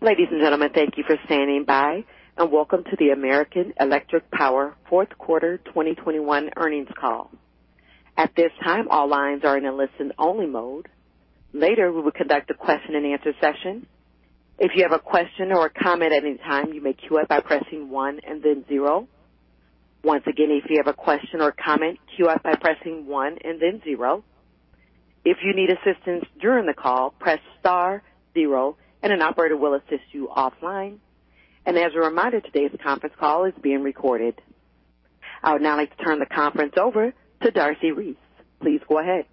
Ladies and gentlemen, thank you for standing by, and welcome to the American Electric Power fourth quarter 2021 earnings call. At this time, all lines are in a listen-only mode. Later, we will conduct a question-and-answer session. If you have a question or a comment at any time, you may queue up by pressing one and then zero. Once again, if you have a question or comment, queue up by pressing one and then zero. If you need assistance during the call, press star zero and an operator will assist you offline. As a reminder, today's conference call is being recorded. I would now like to turn the conference over to Darcy Reese. Please go ahead.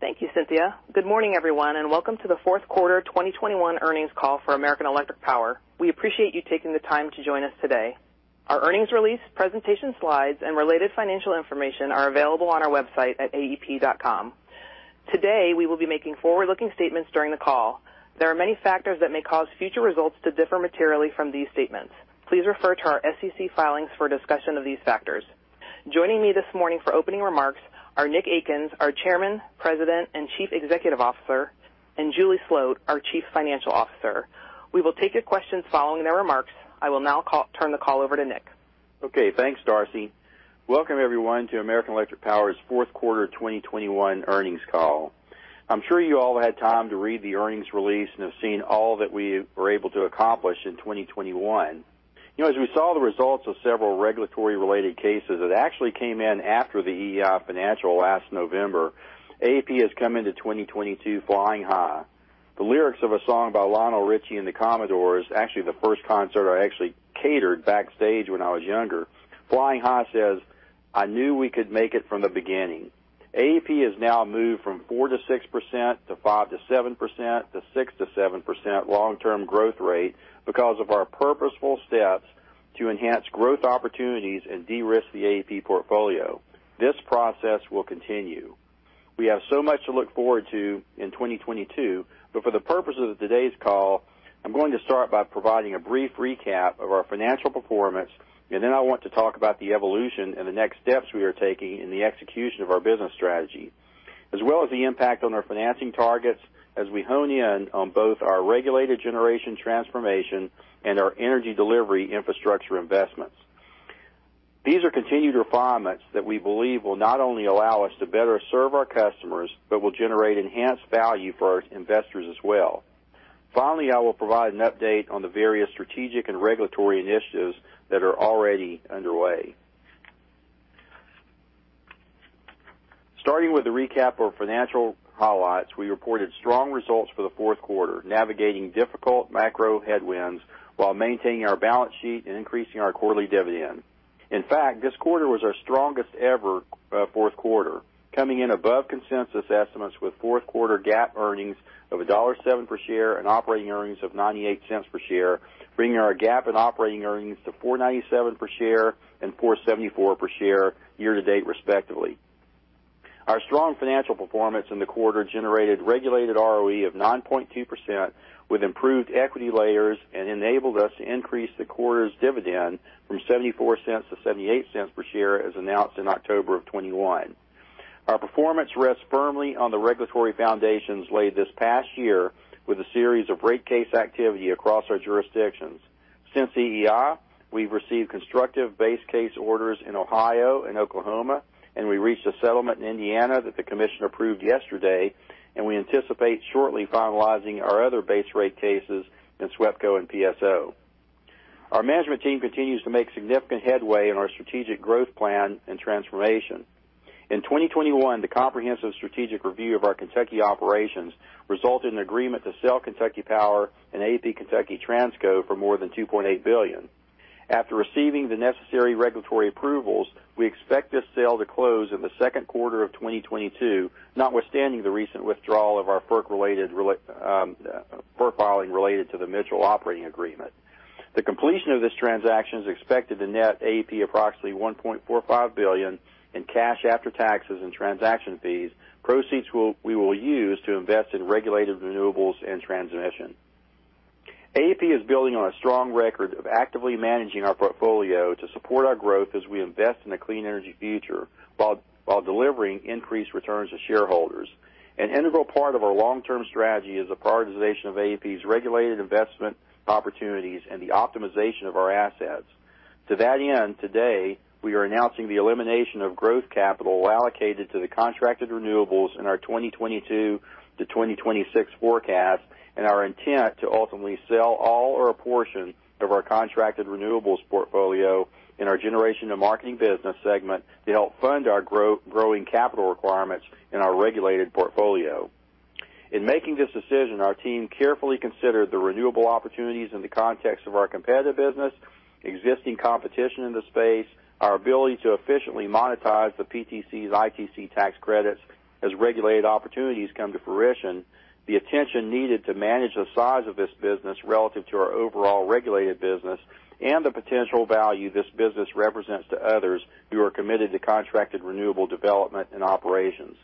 Thank you, Cynthia. Good morning, everyone, and welcome to the fourth quarter 2021 earnings call for American Electric Power. We appreciate you taking the time to join us today. Our earnings release, presentation slides and related financial information are available on our website at aep.com. Today, we will be making forward-looking statements during the call. There are many factors that may cause future results to differ materially from these statements. Please refer to our SEC filings for a discussion of these factors. Joining me this morning for opening remarks are Nick Akins, our Chairman, President and Chief Executive Officer, and Julie Sloat, our Chief Financial Officer. We will take your questions following their remarks. I will now turn the call over to Nick. Okay. Thanks, Darcy. Welcome, everyone, to American Electric Power's fourth quarter 2021 earnings call. I'm sure you all had time to read the earnings release and have seen all that we were able to accomplish in 2021. You know, as we saw the results of several regulatory-related cases that actually came in after the EEI Financial last November, AEP has come into 2022 flying high. The lyrics of a song by Lionel Richie and the Commodores, actually the first concert I actually catered backstage when I was younger. Flying high says, "I knew we could make it from the beginning." AEP has now moved from 4%-6% to 5%-7% to 6%-7% long-term growth rate because of our purposeful steps to enhance growth opportunities and de-risk the AEP portfolio. This process will continue. We have so much to look forward to in 2022, but for the purpose of today's call, I'm going to start by providing a brief recap of our financial performance, and then I want to talk about the evolution and the next steps we are taking in the execution of our business strategy, as well as the impact on our financing targets as we hone in on both our regulated generation transformation and our energy delivery infrastructure investments. These are continued refinements that we believe will not only allow us to better serve our customers, but will generate enhanced value for our investors as well. Finally, I will provide an update on the various strategic and regulatory initiatives that are already underway. Starting with the recap of our financial highlights, we reported strong results for the fourth quarter, navigating difficult macro headwinds while maintaining our balance sheet and increasing our quarterly dividend. In fact, this quarter was our strongest ever fourth quarter, coming in above consensus estimates with fourth quarter GAAP earnings of $1.07 per share and operating earnings of $0.98 per share, bringing our GAAP and operating earnings to $4.97 per share and $4.74 per share year to date, respectively. Our strong financial performance in the quarter generated regulated ROE of 9.2% with improved equity layers and enabled us to increase the quarter's dividend from $0.74 to $0.78 per share, as announced in October of 2021. Our performance rests firmly on the regulatory foundations laid this past year with a series of rate case activity across our jurisdictions. Since EEI, we've received constructive base case orders in Ohio and Oklahoma, and we reached a settlement in Indiana that the commission approved yesterday, and we anticipate shortly finalizing our other base rate cases in SWEPCO and PSO. Our management team continues to make significant headway in our strategic growth plan and transformation. In 2021, the comprehensive strategic review of our Kentucky operations resulted in an agreement to sell Kentucky Power and AEP Kentucky Transco for more than $2.8 billion. After receiving the necessary regulatory approvals, we expect this sale to close in the second quarter of 2022, notwithstanding the recent withdrawal of our FERC filing related to the Mitchell operating agreement. The completion of this transaction is expected to net AEP approximately $1.45 billion in cash after taxes and transaction fees. Proceeds we will use to invest in regulated renewables and transmission. AEP is building on a strong record of actively managing our portfolio to support our growth as we invest in a clean energy future while delivering increased returns to shareholders. An integral part of our long-term strategy is the prioritization of AEP's regulated investment opportunities and the optimization of our assets. To that end, today, we are announcing the elimination of growth capital allocated to the contracted renewables in our 2022-2026 forecast and our intent to ultimately sell all or a portion of our contracted renewables portfolio in our generation and marketing business segment to help fund our growing capital requirements in our regulated portfolio. In making this decision, our team carefully considered the renewable opportunities in the context of our competitive business, existing competition in the space, our ability to efficiently monetize the PTCs/ITCs tax credits as regulated opportunities come to fruition, the attention needed to manage the size of this business relative to our overall regulated business, and the potential value this business represents to others who are committed to contracted renewable development and operations.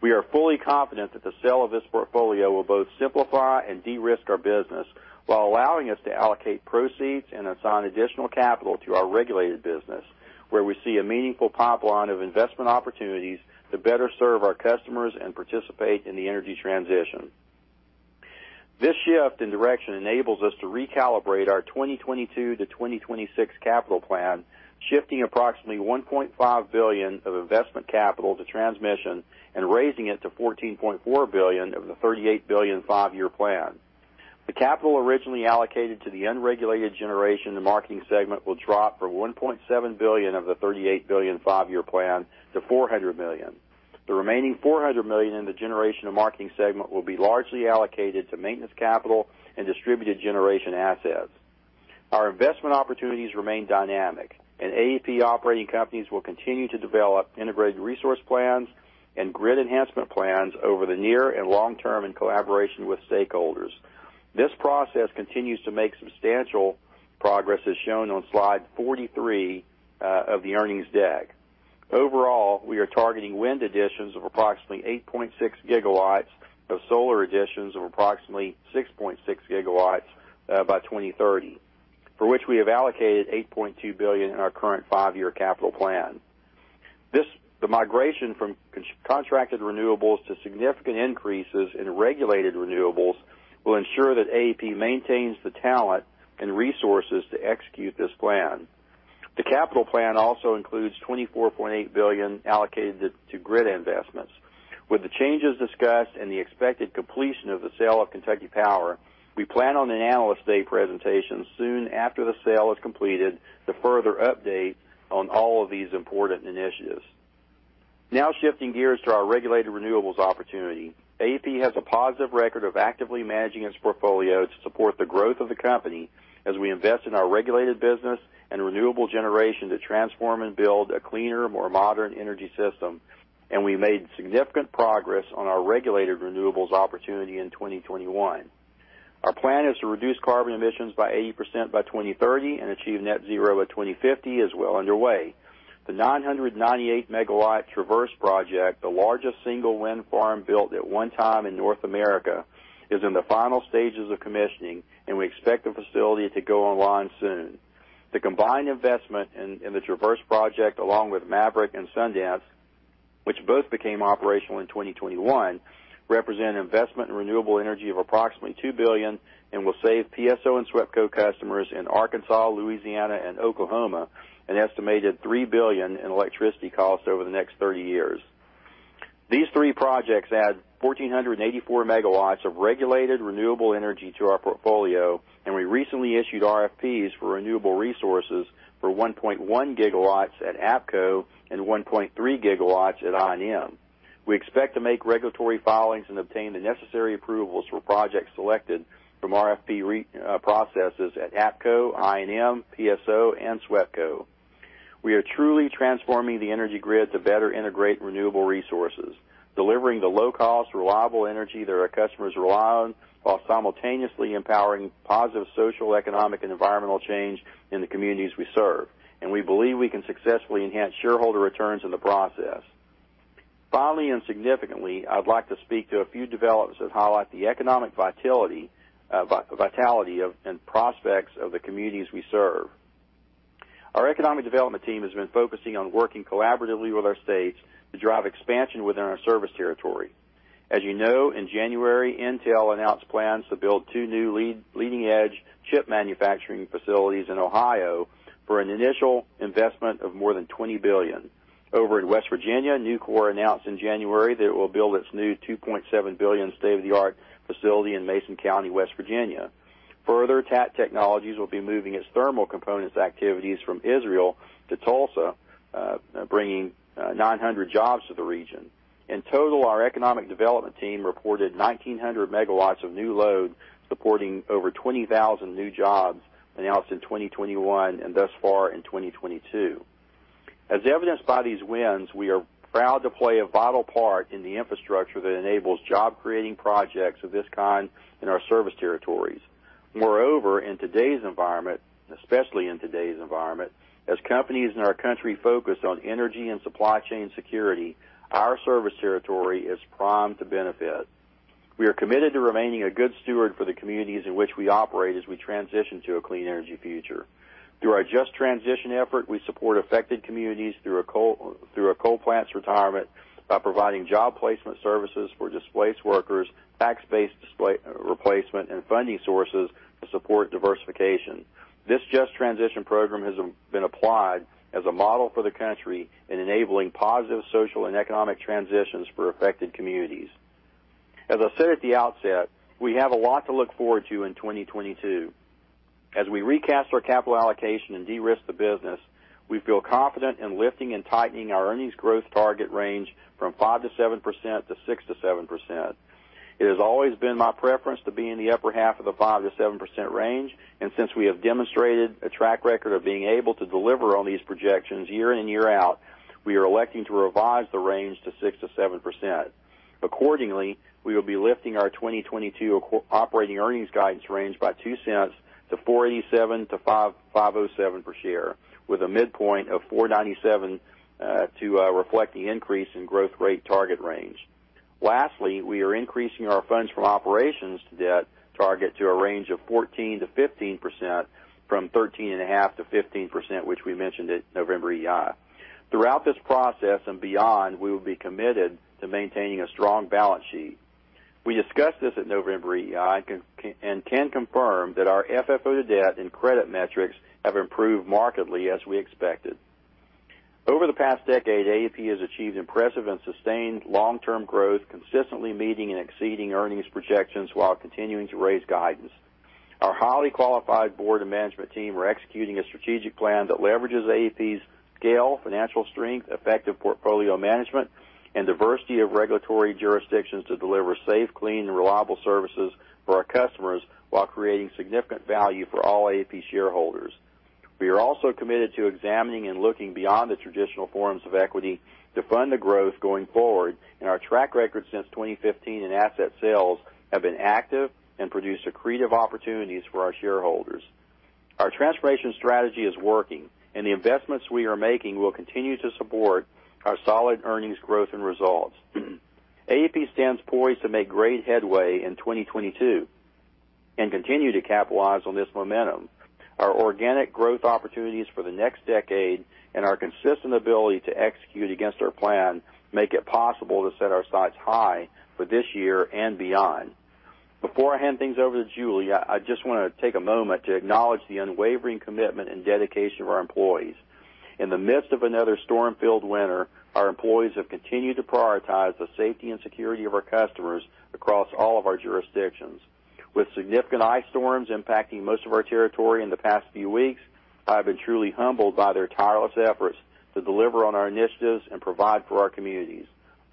We are fully confident that the sale of this portfolio will both simplify and de-risk our business while allowing us to allocate proceeds and assign additional capital to our regulated business, where we see a meaningful pipeline of investment opportunities to better serve our customers and participate in the energy transition. This shift in direction enables us to recalibrate our 2022-2026 capital plan, shifting approximately $1.5 billion of investment capital to transmission and raising it to $14.4 billion of the $38 billion five-year plan. The capital originally allocated to the unregulated generation and marketing segment will drop from $1.7 billion of the $38 billion five-year plan to $400 million. The remaining $400 million in the generation and marketing segment will be largely allocated to maintenance capital and distributed generation assets. Our investment opportunities remain dynamic, and AEP operating companies will continue to develop integrated resource plans and grid enhancement plans over the near and long term in collaboration with stakeholders. This process continues to make substantial progress, as shown on slide 43 of the earnings deck. Overall, we are targeting wind additions of approximately 8.6 gigawatts of solar additions of approximately 6.6 gigawatts by 2030, for which we have allocated $8.2 billion in our current five-year capital plan. This, the migration from contracted renewables to significant increases in regulated renewables will ensure that AEP maintains the talent and resources to execute this plan. The capital plan also includes $24.8 billion allocated to grid investments. With the changes discussed and the expected completion of the sale of Kentucky Power, we plan on an Analyst Day presentation soon after the sale is completed to further update on all of these important initiatives. Now shifting gears to our regulated renewables opportunity. AEP has a positive record of actively managing its portfolio to support the growth of the company as we invest in our regulated business and renewable generation to transform and build a cleaner, more modern energy system, and we made significant progress on our regulated renewables opportunity in 2021. Our plan is to reduce carbon emissions by 80% by 2030 and achieve net zero at 2050 is well underway. The 998-MW Traverse project, the largest single wind farm built at one time in North America, is in the final stages of commissioning, and we expect the facility to go online soon. The combined investment in the Traverse project, along with Maverick and Sundance, which both became operational in 2021, represent an investment in renewable energy of approximately $2 billion and will save PSO and SWEPCO customers in Arkansas, Louisiana and Oklahoma an estimated $3 billion in electricity costs over the next 30 years. These three projects add 1,484 MW of regulated, renewable energy to our portfolio, and we recently issued RFPs for renewable resources for 1.1 GW at APCO and 1.3 GW at I&M. We expect to make regulatory filings and obtain the necessary approvals for projects selected from RFP processes at APCO, I&M, PSO and SWEPCO. We are truly transforming the energy grid to better integrate renewable resources, delivering the low cost, reliable energy that our customers rely on, while simultaneously empowering positive social, economic and environmental change in the communities we serve, and we believe we can successfully enhance shareholder returns in the process. Finally, and significantly, I'd like to speak to a few developments that highlight the economic vitality of and prospects of the communities we serve. Our economic development team has been focusing on working collaboratively with our states to drive expansion within our service territory. As you know, in January, Intel announced plans to build two new leading edge chip manufacturing facilities in Ohio for an initial investment of more than $20 billion. Over in West Virginia, Nucor announced in January that it will build its new $2.7 billion state-of-the-art facility in Mason County, West Virginia. Further, TAT Technologies will be moving its thermal components activities from Israel to Tulsa, bringing 900 jobs to the region. In total, our economic development team reported 1,900 MW of new load, supporting over 20,000 new jobs announced in 2021 and thus far in 2022. As evidenced by these wins, we are proud to play a vital part in the infrastructure that enables job creating projects of this kind in our service territories. Moreover, in today's environment, especially in today's environment, as companies in our country focus on energy and supply chain security, our service territory is primed to benefit. We are committed to remaining a good steward for the communities in which we operate as we transition to a clean energy future. Through our Just Transition effort, we support affected communities through coal plant retirements by providing job placement services for displaced workers, tax-base displacement replacement and funding sources to support diversification. This Just Transition program has been applied as a model for the country in enabling positive social and economic transitions for affected communities. As I said at the outset, we have a lot to look forward to in 2022. As we recast our capital allocation and de-risk the business, we feel confident in lifting and tightening our earnings growth target range from 5%-7% to 6%-7%. It has always been my preference to be in the upper half of the 5%-7% range, and since we have demonstrated a track record of being able to deliver on these projections year in and year out, we are electing to revise the range to 6%-7%. Accordingly, we will be lifting our 2022 operating earnings guidance range by $0.02 to $4.87-$5.07 per share, with a midpoint of $4.97 to reflect the increase in growth rate target range. Lastly, we are increasing our funds from operations debt target to a range of 14%-15% from 13.5%-15%, which we mentioned at November EEI. Throughout this process and beyond, we will be committed to maintaining a strong balance sheet. We discussed this at November EEI and can confirm that our FFO to debt and credit metrics have improved markedly as we expected. Over the past decade, AEP has achieved impressive and sustained long-term growth, consistently meeting and exceeding earnings projections while continuing to raise guidance. Our highly qualified board and management team are executing a strategic plan that leverages AEP's scale, financial strength, effective portfolio management, and diversity of regulatory jurisdictions to deliver safe, clean, and reliable services for our customers while creating significant value for all AEP shareholders. We are also committed to examining and looking beyond the traditional forms of equity to fund the growth going forward, and our track record since 2015 in asset sales have been active and produced accretive opportunities for our shareholders. Our transformation strategy is working, and the investments we are making will continue to support our solid earnings growth and results. AEP stands poised to make great headway in 2022 and continue to capitalize on this momentum. Our organic growth opportunities for the next decade and our consistent ability to execute against our plan make it possible to set our sights high for this year and beyond. Before I hand things over to Julie, I just want to take a moment to acknowledge the unwavering commitment and dedication of our employees. In the midst of another storm-filled winter, our employees have continued to prioritize the safety and security of our customers across all of our jurisdictions. With significant ice storms impacting most of our territory in the past few weeks, I have been truly humbled by their tireless efforts to deliver on our initiatives and provide for our communities.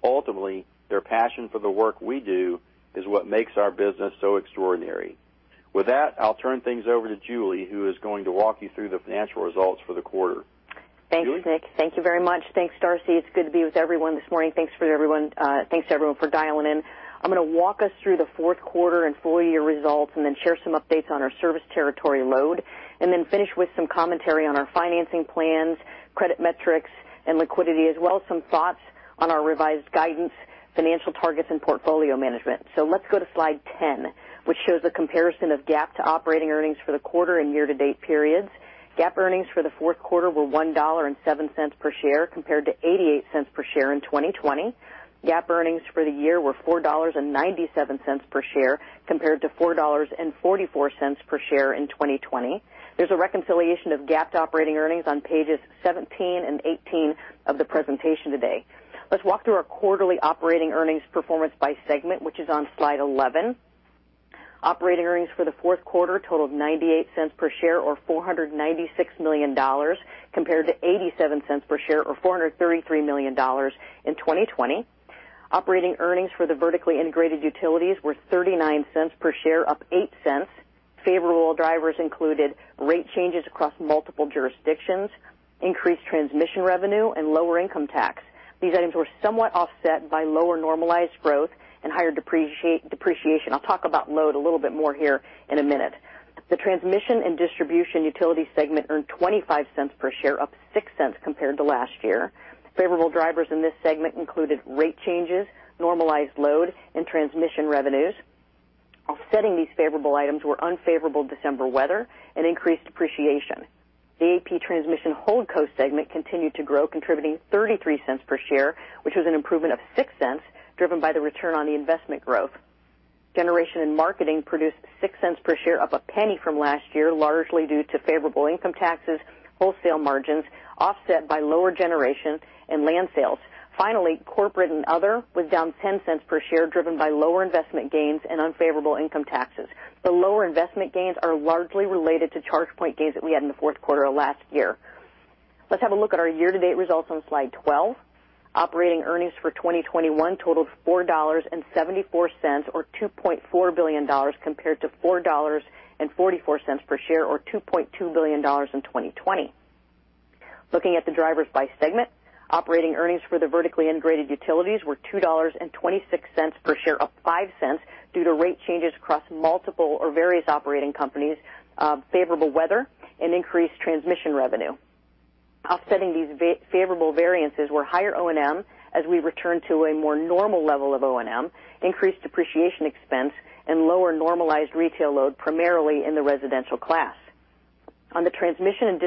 Ultimately, their passion for the work we do is what makes our business so extraordinary. With that, I'll turn things over to Julie, who is going to walk you through the financial results for the quarter. Julie? Thanks, Nick. Thank you very much. Thanks, Darcy. It's good to be with everyone this morning. Thanks everyone for dialing in. I'm going to walk us through the fourth quarter and full-year results and then share some updates on our service territory load, and then finish with some commentary on our financing plans, credit metrics, and liquidity, as well as some thoughts on our revised guidance, financial targets, and portfolio management. Let's go to slide 10, which shows a comparison of GAAP to operating earnings for the quarter and year-to-date periods. GAAP earnings for the fourth quarter were $1.07 per share compared to $0.88 per share in 2020. GAAP earnings for the year were $4.97 per share compared to $4.44 per share in 2020. There's a reconciliation of GAAP to operating earnings on pages 17 and 18 of the presentation today. Let's walk through our quarterly operating earnings performance by segment, which is on slide 11. Operating earnings for the fourth quarter totaled $0.98 per share, or $496 million, compared to $0.87 per share, or $433 million in 2020. Operating earnings for the vertically integrated utilities were $0.39 per share, up $0.08. Favorable drivers included rate changes across multiple jurisdictions, increased transmission revenue, and lower income tax. These items were somewhat offset by lower normalized growth and higher depreciation. I'll talk about load a little bit more here in a minute. The transmission and distribution utility segment earned $0.25 per share, up $0.06 compared to last year. Favorable drivers in this segment included rate changes, normalized load, and transmission revenues. Offsetting these favorable items were unfavorable December weather and increased depreciation. The AEP Transmission Holdco segment continued to grow, contributing $0.33 per share, which was an improvement of $0.06 driven by the return on the investment growth. Generation and marketing produced $0.06 per share, up $0.01 from last year, largely due to favorable income taxes, wholesale margins offset by lower generation and land sales. Finally, Corporate and Other was down $0.10 per share, driven by lower investment gains and unfavorable income taxes. The lower investment gains are largely related to ChargePoint gains that we had in the fourth quarter of last year. Let's have a look at our year-to-date results on slide 12. Operating earnings for 2021 totaled $4.74 or $2.4 billion compared to $4.44 per share, or $2.2 billion in 2020. Looking at the drivers by segment, operating earnings for the vertically integrated utilities were $2.26 per share, up $0.05 due to rate changes across multiple or various operating companies, favorable weather and increased transmission revenue. Offsetting these favorable variances were higher O&M as we return to a more normal level of O&M, increased depreciation expense and lower normalized retail load, primarily in the residential class. On the transmission and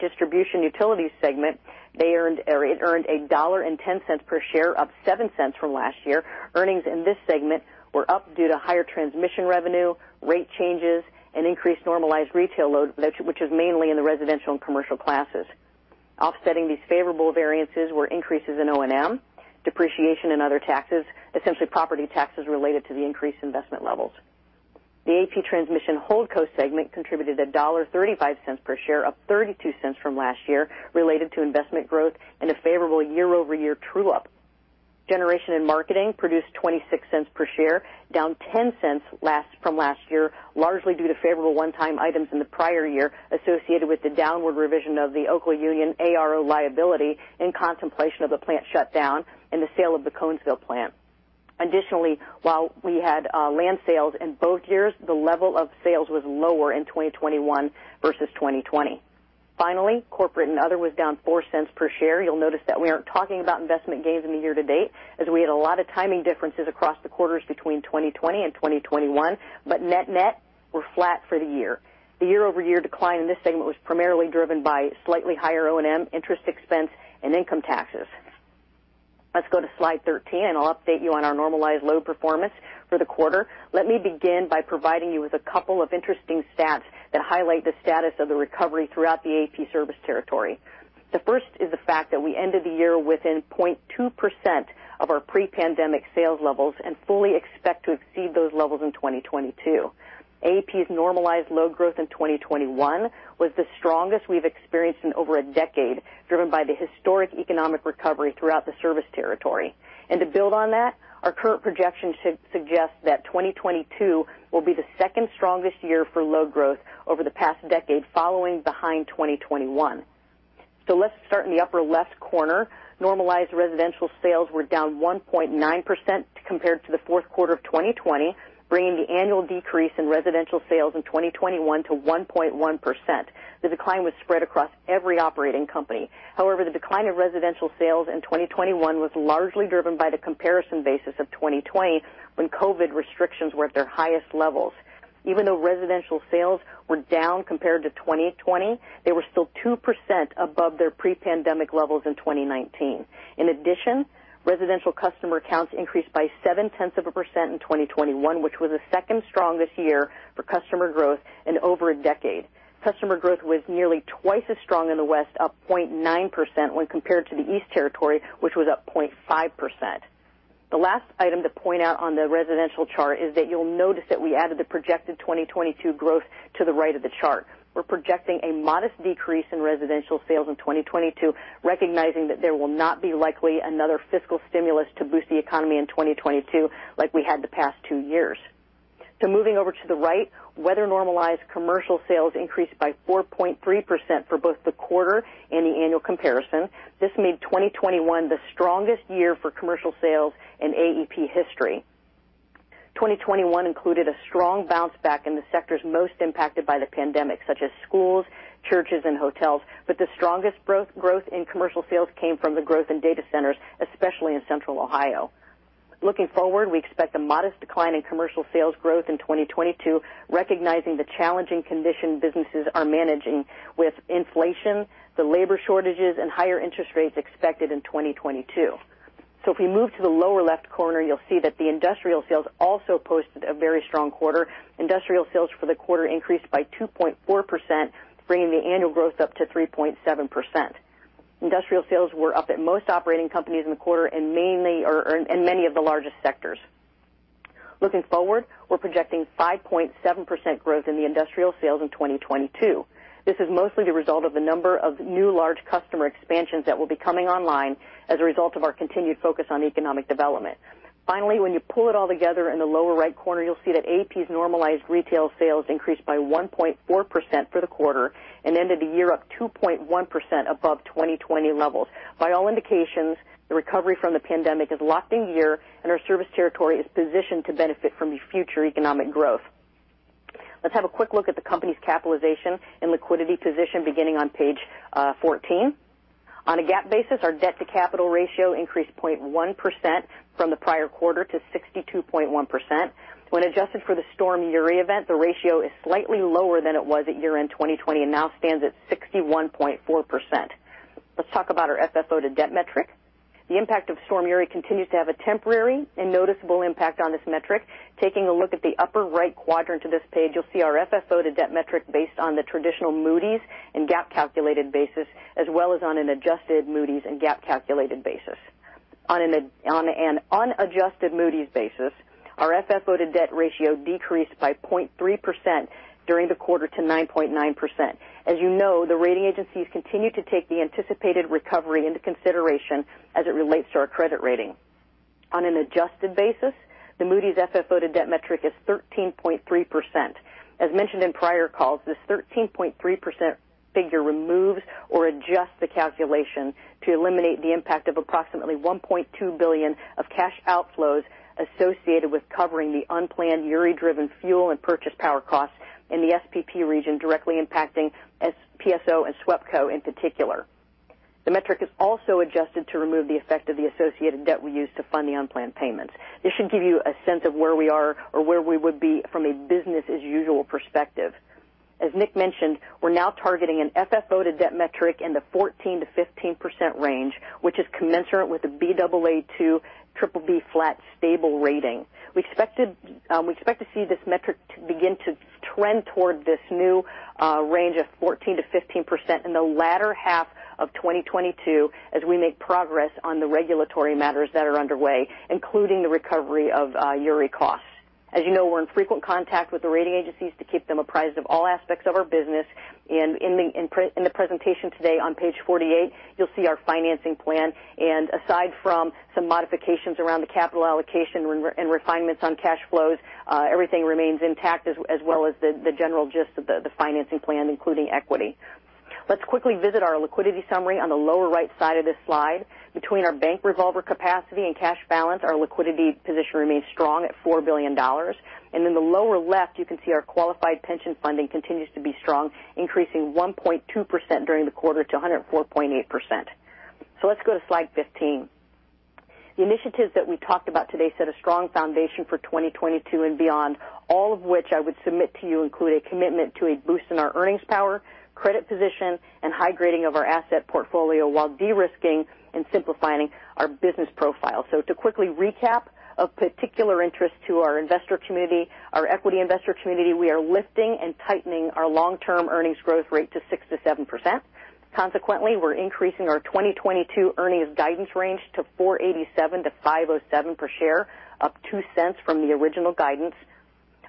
distribution utilities segment, they earned, or it earned $1.10 per share, up $0.07 from last year. Earnings in this segment were up due to higher transmission revenue, rate changes, and increased normalized retail load, which is mainly in the residential and commercial classes. Offsetting these favorable variances were increases in O&M, depreciation, and other taxes, essentially property taxes related to the increased investment levels. The AEP Transmission Holdco segment contributed $1.35 per share, up $0.32 from last year related to investment growth and a favorable year-over-year true up. Generation and marketing produced $0.26 per share, down $0.10 from last year, largely due to favorable one-time items in the prior year associated with the downward revision of the Oklaunion ARO liability in contemplation of the plant shutdown and the sale of the Conesville plant. Additionally, while we had land sales in both years, the level of sales was lower in 2021 versus 2020. Finally, corporate and other was down $0.04 per share. You'll notice that we aren't talking about investment gains in the year-to-date as we had a lot of timing differences across the quarters between 2020 and 2021. Net-net, we're flat for the year. The year-over-year decline in this segment was primarily driven by slightly higher O&M, interest expense, and income taxes. Let's go to slide 13, and I'll update you on our normalized load performance for the quarter. Let me begin by providing you with a couple of interesting stats that highlight the status of the recovery throughout the AEP service territory. The first is the fact that we ended the year within 0.2% of our pre-pandemic sales levels and fully expect to exceed those levels in 2022. AEP's normalized load growth in 2021 was the strongest we've experienced in over a decade, driven by the historic economic recovery throughout the service territory. To build on that, our current projections should suggest that 2022 will be the second strongest year for load growth over the past decade, following behind 2021. Let's start in the upper left corner. Normalized residential sales were down 1.9% compared to the fourth quarter of 2020, bringing the annual decrease in residential sales in 2021 to 1.1%. The decline was spread across every operating company. However, the decline in residential sales in 2021 was largely driven by the comparison basis of 2020 when COVID restrictions were at their highest levels. Even though residential sales were down compared to 2020, they were still 2% above their pre-pandemic levels in 2019. In addition, residential customer counts increased by 0.7% in 2021, which was the second strongest year for customer growth in over a decade. Customer growth was nearly twice as strong in the West, up 0.9% when compared to the East territory, which was up 0.5%. The last item to point out on the residential chart is that you'll notice that we added the projected 2022 growth to the right of the chart. We're projecting a modest decrease in residential sales in 2022, recognizing that there will not be likely another fiscal stimulus to boost the economy in 2022 like we had the past two years. Moving over to the right, weather-normalized commercial sales increased by 4.3% for both the quarter and the annual comparison. This made 2021 the strongest year for commercial sales in AEP history. 2021 included a strong bounce back in the sectors most impacted by the pandemic, such as schools, churches, and hotels. The strongest growth in commercial sales came from the growth in data centers, especially in Central Ohio. Looking forward, we expect a modest decline in commercial sales growth in 2022, recognizing the challenging condition businesses are managing with inflation, the labor shortages, and higher interest rates expected in 2022. If we move to the lower left corner, you'll see that the industrial sales also posted a very strong quarter. Industrial sales for the quarter increased by 2.4%, bringing the annual growth up to 3.7%. Industrial sales were up at most operating companies in the quarter and in many of the largest sectors. Looking forward, we're projecting 5.7% growth in the industrial sales in 2022. This is mostly the result of the number of new large customer expansions that will be coming online as a result of our continued focus on economic development. Finally, when you pull it all together in the lower right corner, you'll see that AEP's normalized retail sales increased by 1.4% for the quarter and ended the year up 2.1% above 2020 levels. By all indications, the recovery from the pandemic is looking good, and our service territory is positioned to benefit from the future economic growth. Let's have a quick look at the company's capitalization and liquidity position beginning on page 14. On a GAAP basis, our debt-to-capital ratio increased 0.1% from the prior quarter to 62.1%. When adjusted for the Storm Uri event, the ratio is slightly lower than it was at year-end 2020 and now stands at 61.4%. Let's talk about our FFO to debt metric. The impact of Storm Uri continues to have a temporary and noticeable impact on this metric. Taking a look at the upper right quadrant of this page, you'll see our FFO to debt metric based on the traditional Moody's and GAAP-calculated basis, as well as on an adjusted Moody's and GAAP-calculated basis. On an unadjusted Moody's basis, our FFO to debt ratio decreased by 0.3% during the quarter to 9.9%. As you know, the rating agencies continue to take the anticipated recovery into consideration as it relates to our credit rating. On an adjusted basis, the Moody's FFO to debt metric is 13.3%. As mentioned in prior calls, this 13.3% figure removes or adjusts the calculation to eliminate the impact of approximately $1.2 billion of cash outflows associated with covering the unplanned Uri-driven fuel and purchase power costs in the SPP region, directly impacting PSO and SWEPCO in particular. The metric is also adjusted to remove the effect of the associated debt we used to fund the unplanned payments. This should give you a sense of where we are or where we would be from a business-as-usual perspective. As Nick mentioned, we're now targeting an FFO to debt metric in the 14%-15% range, which is commensurate with a Baa2 / BBB flat stable rating. We expected, we expect to see this metric to begin to trend toward this new range of 14%-15% in the latter half of 2022 as we make progress on the regulatory matters that are underway, including the recovery of Uri costs. As you know, we're in frequent contact with the rating agencies to keep them apprised of all aspects of our business. In the presentation today on page 48, you'll see our financing plan. Aside from some modifications around the capital allocation and refinements on cash flows, everything remains intact as well as the general gist of the financing plan, including equity. Let's quickly visit our liquidity summary on the lower right side of this slide. Between our bank revolver capacity and cash balance, our liquidity position remains strong at $4 billion. In the lower left, you can see our qualified pension funding continues to be strong, increasing 1.2% during the quarter to 104.8%. Let's go to slide 15. The initiatives that we talked about today set a strong foundation for 2022 and beyond, all of which I would submit to you include a commitment to a boost in our earnings power, credit position, and high grading of our asset portfolio while de-risking and simplifying our business profile. To quickly recap, of particular interest to our investor community, our equity investor community, we are lifting and tightening our long-term earnings growth rate to 6%-7%. Consequently, we're increasing our 2022 earnings guidance range to $4.87-$5.07 per share, up $0.02 from the original guidance.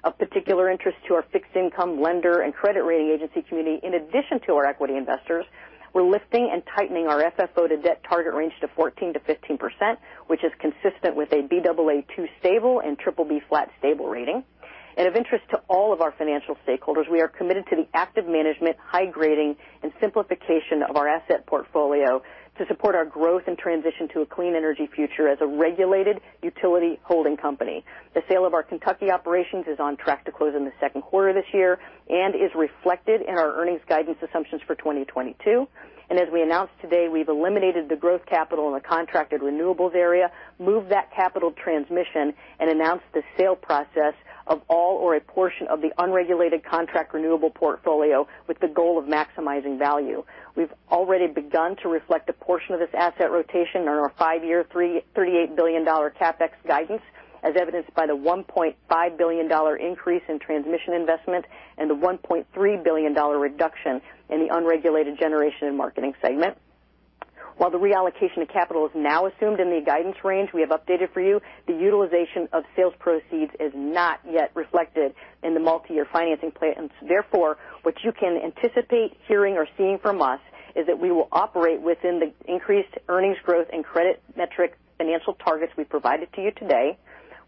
Of particular interest to our fixed-income lender and credit rating agency community, in addition to our equity investors, we're lifting and tightening our FFO to debt target range to 14%-15%, which is consistent with a Baa2 stable and BBB flat stable rating. Of interest to all of our financial stakeholders, we are committed to the active management, high grading, and simplification of our asset portfolio to support our growth and transition to a clean energy future as a regulated utility holding company. The sale of our Kentucky operations is on track to close in the second quarter this year and is reflected in our earnings guidance assumptions for 2022. As we announced today, we've eliminated the growth capital in the contracted renewables area, moved that capital transmission, and announced the sale process of all or a portion of the unregulated contract renewable portfolio with the goal of maximizing value. We've already begun to reflect a portion of this asset rotation in our five-year $38 billion CapEx guidance, as evidenced by the $1.5 billion increase in transmission investment and the $1.3 billion reduction in the unregulated generation and marketing segment. While the reallocation of capital is now assumed in the guidance range we have updated for you, the utilization of sales proceeds is not yet reflected in the multi-year financing plans. Therefore, what you can anticipate hearing or seeing from us is that we will operate within the increased earnings growth and credit metric financial targets we provided to you today.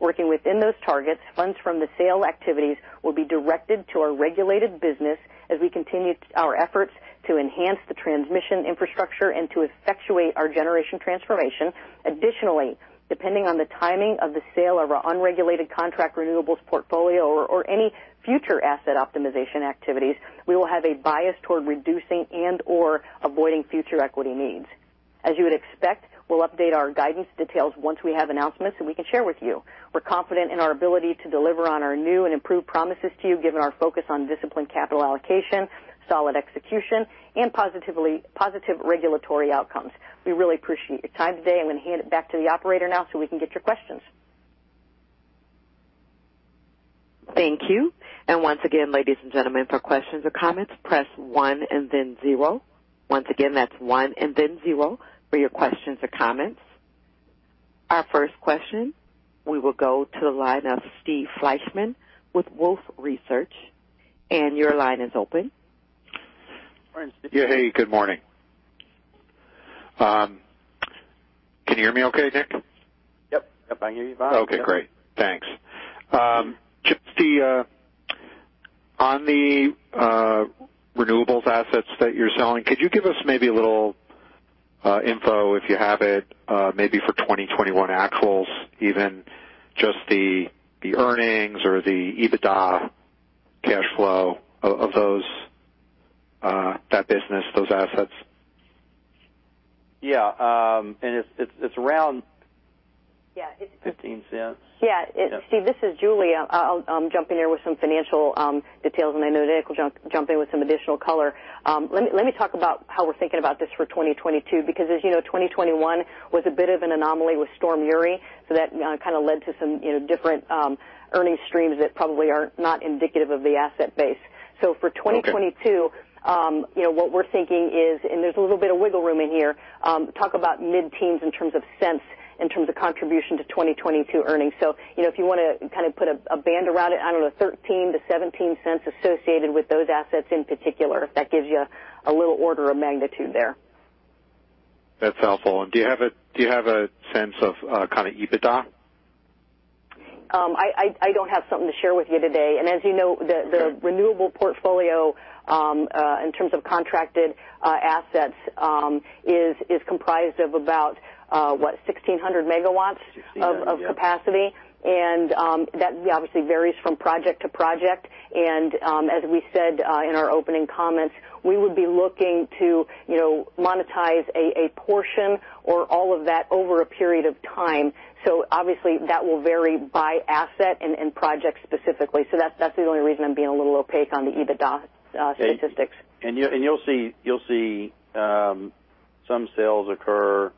Working within those targets, funds from the sale activities will be directed to our regulated business as we continue our efforts to enhance the transmission infrastructure and to effectuate our generation transformation. Additionally, depending on the timing of the sale of our unregulated contract renewables portfolio or any future asset optimization activities, we will have a bias toward reducing and/or avoiding future equity needs. As you would expect, we'll update our guidance details once we have announcements, and we can share with you. We're confident in our ability to deliver on our new and improved promises to you, given our focus on disciplined capital allocation, solid execution, and positive regulatory outcomes. We really appreciate your time today. I'm going to hand it back to the operator now so we can get your questions. Thank you. Once again, ladies and gentlemen, for questions or comments, press one and then zero. Once again, that's one and then zero for your questions or comments. Our first question, we will go to the line of Steve Fleishman with Wolfe Research. Your line is open. Yeah. Hey, good morning. Can you hear me okay, Nick? Yep. I hear you fine. Okay, great. Thanks. Just on the renewables assets that you're selling, could you give us maybe a little info, if you have it, maybe for 2021 actuals, even just the earnings or the EBITDA cash flow of those, that business, those assets? Yeah. It's around $0.15. Yeah. Yeah. Steve, this is Julie. I'll jump in here with some financial details, and I know Nick will jump in with some additional color. Let me talk about how we're thinking about this for 2022 because as you know, 2021 was a bit of an anomaly with Winter Storm Uri, so that kind of led to some, you know, different earnings streams that probably are not indicative of the asset base. Okay. For 2022, you know, what we're thinking is, and there's a little bit of wiggle room in here, talk about mid-teens in terms of cents, in terms of contribution to 2022 earnings. You know, if you wanna kind of put a band around it, I don't know, $0.13-$0.17 associated with those assets in particular. That gives you a little order of magnitude there. That's helpful. Do you have a sense of kind of EBITDA? I don't have something to share with you today. As you know, Okay. The renewable portfolio in terms of contracted assets is comprised of about 1,600 MW. Sixteen hundred, yep, of capacity. That obviously varies from project to project. As we said in our opening comments, we would be looking to, you know, monetize a portion or all of that over a period of time. Obviously that will vary by asset and project specifically. That's the only reason I'm being a little opaque on the EBITDA statistics. You'll see some sales occur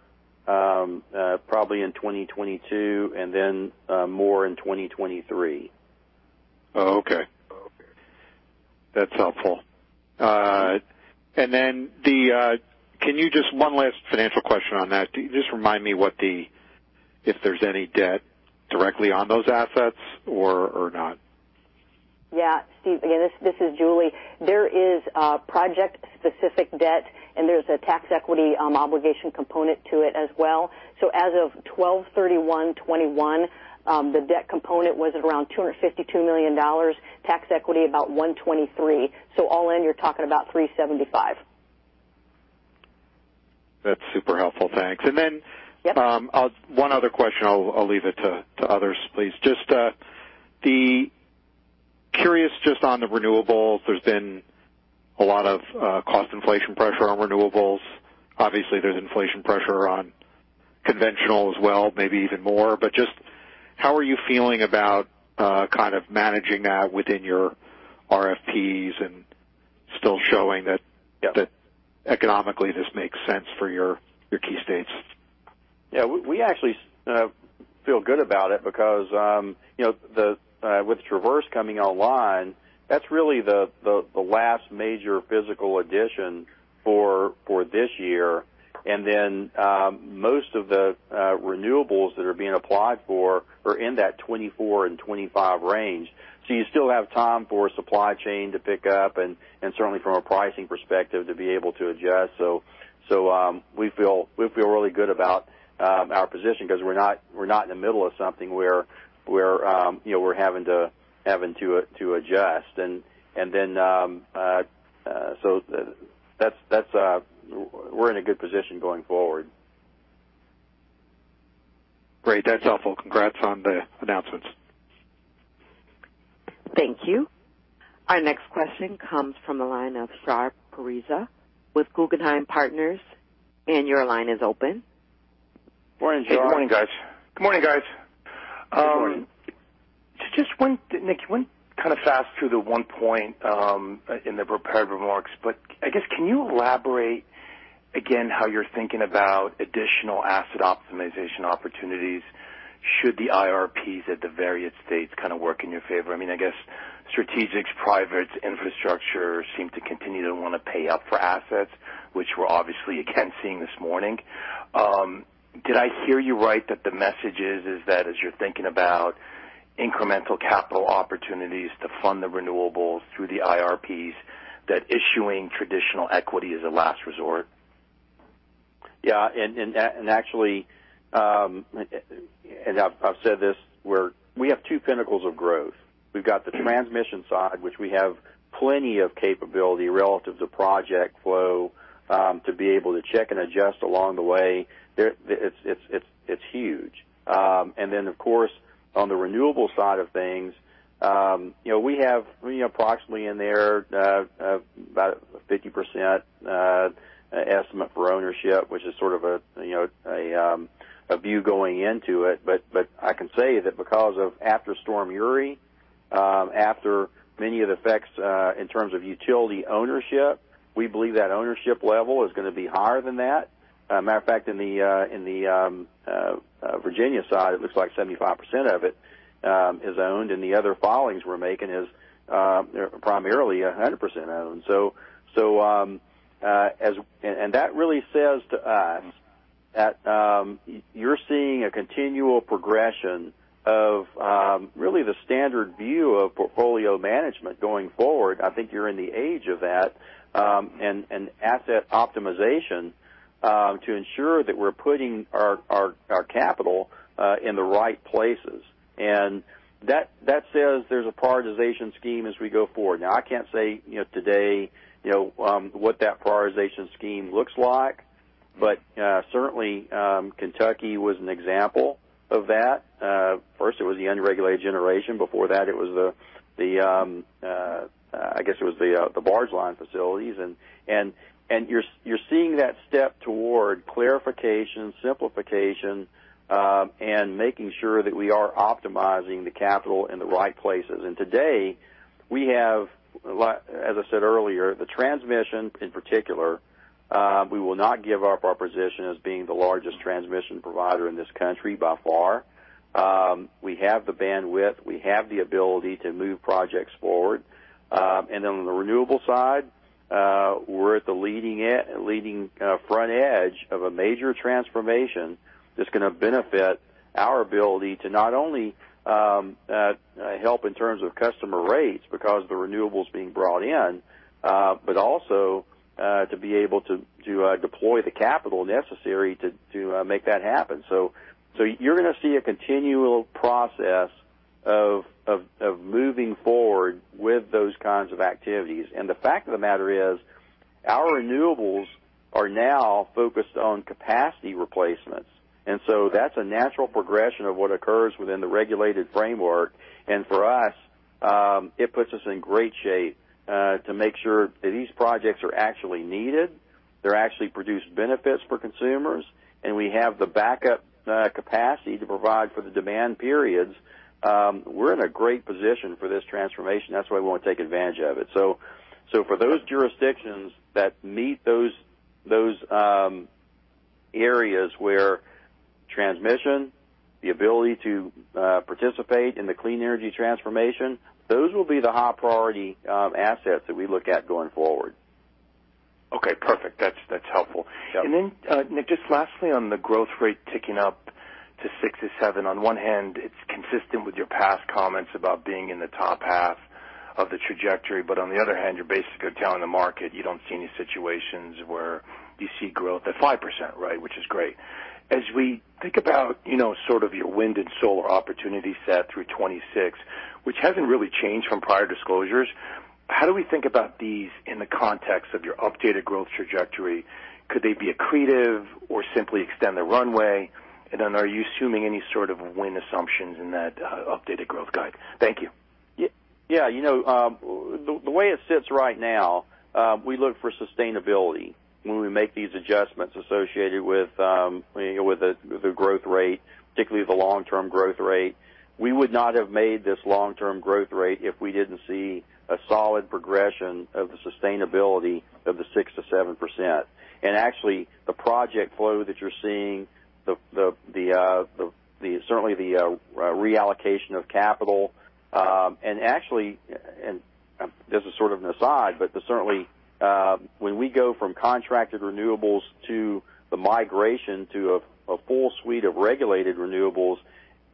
probably in 2022 and then more in 2023. Oh, okay. That's helpful. Then, can you just one last financial question on that. Just remind me if there's any debt directly on those assets or not? Yeah. Steve, again, this is Julie. There is a project-specific debt, and there's a tax equity obligation component to it as well. As of 12/31/2021, the debt component was around $252 million, tax equity about $123 million. All in, you're talking about $375 million. That's super helpful. Thanks. Yep. One other question. I'll leave it to others, please. Just on the renewables, there's been a lot of cost inflation pressure on renewables. Obviously, there's inflation pressure on conventional as well, maybe even more. Just how are you feeling about kind of managing that within your RFPs and still showing that? Yeah. that economically this makes sense for your key states? Yeah, we actually feel good about it because you know, with Traverse coming online, that's really the last major physical addition for this year. Most of the renewables that are being applied for are in that 2024 and 2025 range. You still have time for supply chain to pick up and certainly from a pricing perspective, to be able to adjust. We feel really good about our position because we're not in the middle of something where you know, we're having to adjust. That's. We're in a good position going forward. Great. That's helpful. Congrats on the announcements. Thank you. Our next question comes from the line of Shar Pourreza with Guggenheim Partners. Your line is open. Morning, Shar. Good morning, guys. Good morning, guys. Good morning. Just one, Nick, you kind of fast through the one point in the prepared remarks. I guess, can you elaborate again how you're thinking about additional asset optimization opportunities should the IRPs at the various states kind of work in your favor? I mean, I guess strategics, privates, infrastructure seem to continue to want to pay up for assets, which we're obviously again seeing this morning. Did I hear you right, that the message is that as you're thinking about incremental capital opportunities to fund the renewables through the IRPs, that issuing traditional equity is a last resort? Yeah. Actually, I've said this, we have two pillars of growth. We've got the transmission side, which we have plenty of capability relative to project flow to be able to check and adjust along the way. It's huge. Then, of course, on the renewable side of things, you know, we have you know approximately in there about 50% estimate for ownership, which is sort of a you know a view going into it. But I can say that because of after Storm Uri, after many of the effects, in terms of utility ownership, we believe that ownership level is gonna be higher than that. Matter of fact, in the Virginia side, it looks like 75% of it is owned, and the other facilities we're making is they're primarily 100% owned. So as. And that really says to us that you're seeing a continual progression of really the standard view of portfolio management going forward. I think you're in the age of that, and asset optimization, to ensure that we're putting our capital in the right places. That says there's a prioritization scheme as we go forward. Now, I can't say, you know, today, you know, what that prioritization scheme looks like. Certainly, Kentucky was an example of that. First it was the unregulated generation. Before that, it was the, I guess it was the barge line facilities. You're seeing that step toward clarification, simplification, and making sure that we are optimizing the capital in the right places. Today we have as I said earlier, the transmission in particular, we will not give up our position as being the largest transmission provider in this country by far. We have the bandwidth. We have the ability to move projects forward. On the renewable side, we're at the leading front edge of a major transformation that's gonna benefit our ability to not only help in terms of customer rates because the renewables being brought in, but also to be able to deploy the capital necessary to make that happen. You're gonna see a continual process of moving forward with those kinds of activities. The fact of the matter is, our renewables are now focused on capacity replacements. That's a natural progression of what occurs within the regulated framework. For us, it puts us in great shape to make sure that these projects are actually needed. They actually produce benefits for consumers, and we have the backup capacity to provide for the demand periods. We're in a great position for this transformation. That's why we want to take advantage of it. For those jurisdictions that meet those areas where transmission, the ability to participate in the clean energy transformation, those will be the high-priority assets that we look at going forward. Okay, perfect. That's helpful. Yeah. Nick, just lastly on the growth rate ticking up to 6%-7%. On one hand, it's consistent with your past comments about being in the top half of the trajectory, but on the other hand, you're basically telling the market you don't see any situations where you see growth at 5%, right? Which is great. As we think about, you know, sort of your wind and solar opportunity set through 2026, which hasn't really changed from prior disclosures. How do we think about these in the context of your updated growth trajectory? Could they be accretive or simply extend the runway? Are you assuming any sort of win assumptions in that updated growth guide? Thank you. Yeah. You know, the way it sits right now, we look for sustainability when we make these adjustments associated with, you know, with the growth rate, particularly the long-term growth rate. We would not have made this long-term growth rate if we didn't see a solid progression of the sustainability of the 6%-7%. Actually, the project flow that you're seeing, certainly the reallocation of capital. Actually, this is sort of an aside, but certainly, when we go from contracted renewables to the migration to a full suite of regulated renewables,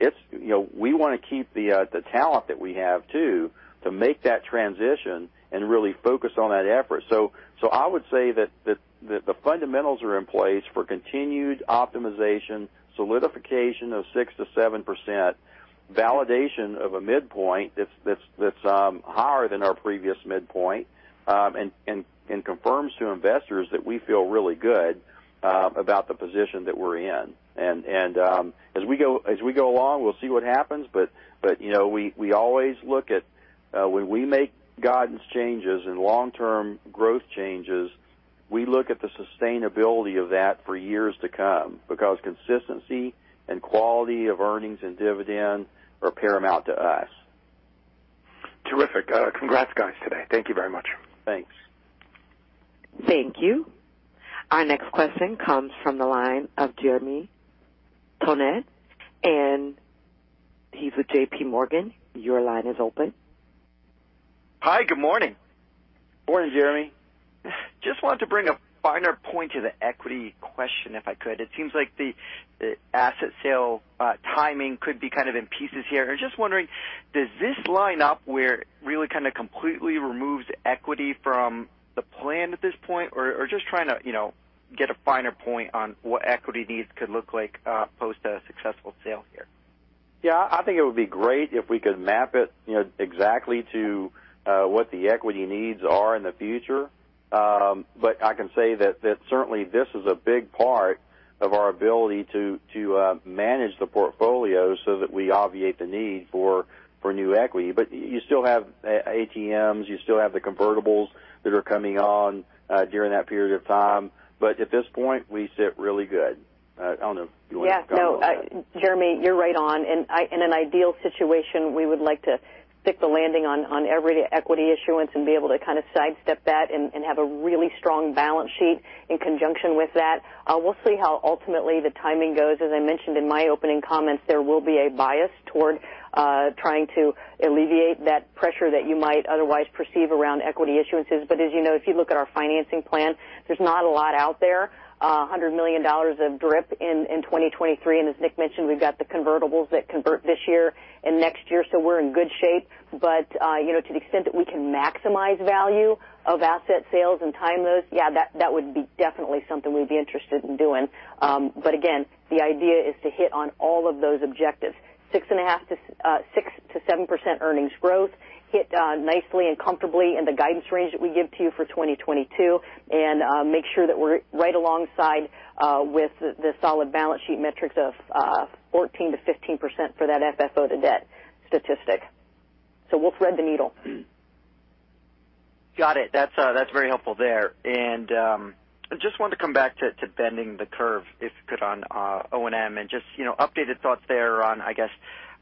it's, you know, we wanna keep the talent that we have too, to make that transition and really focus on that effort. I would say that the fundamentals are in place for continued optimization, solidification of 6%-7%, validation of a midpoint that's higher than our previous midpoint. And confirms to investors that we feel really good about the position that we're in. As we go along, we'll see what happens. You know, we always look at when we make guidance changes and long-term growth changes, we look at the sustainability of that for years to come because consistency and quality of earnings and dividend are paramount to us. Terrific. Congrats guys today. Thank you very much. Thanks. Thank you. Our next question comes from the line of Jeremy Tonet, and he's with J.P. Morgan. Your line is open. Hi. Good morning. Morning, Jeremy. Just wanted to bring a finer point to the equity question, if I could. It seems like the asset sale timing could be kind of in pieces here. I'm just wondering, does this line up where it really kind of completely removes equity from the plan at this point? Just trying to, you know, get a finer point on what equity needs could look like post a successful sale here. Yeah. I think it would be great if we could map it, you know, exactly to what the equity needs are in the future. I can say that certainly this is a big part of our ability to manage the portfolio so that we obviate the need for new equity. You still have ATMs, you still have the convertibles that are coming on during that period of time. At this point, we sit really good. I don't know if you wanna go. Yeah. No. Jeremy, you're right on. In an ideal situation, we would like to pick the landing on every equity issuance and be able to kind of sidestep that and have a really strong balance sheet in conjunction with that. We'll see how ultimately the timing goes. As I mentioned in my opening comments, there will be a bias toward trying to alleviate that pressure that you might otherwise perceive around equity issuances. As you know, if you look at our financing plan, there's not a lot out there. $100 million of DRIP in 2023. As Nick mentioned, we've got the convertibles that convert this year and next year, so we're in good shape. you know, to the extent that we can maximize value of asset sales and time those, yeah, that would be definitely something we'd be interested in doing. Again, the idea is to hit on all of those objectives, 6.5%-7% earnings growth, hit nicely and comfortably in the guidance range that we give to you for 2022, and make sure that we're right alongside with the solid balance sheet metrics of 14%-15% for that FFO to debt statistic. We'll thread the needle. Got it. That's very helpful there. I just wanted to come back to bending the curve, if I could, on O&M and just, you know, updated thoughts there on, I guess,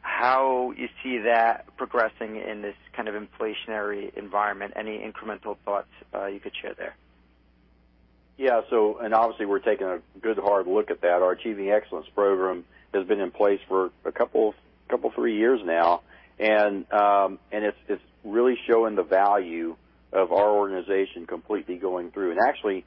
how you see that progressing in this kind of inflationary environment. Any incremental thoughts you could share there? Obviously we're taking a good hard look at that. Our Achieving Excellence program has been in place for a couple three years now. It's really showing the value of our organization completely going through. Actually,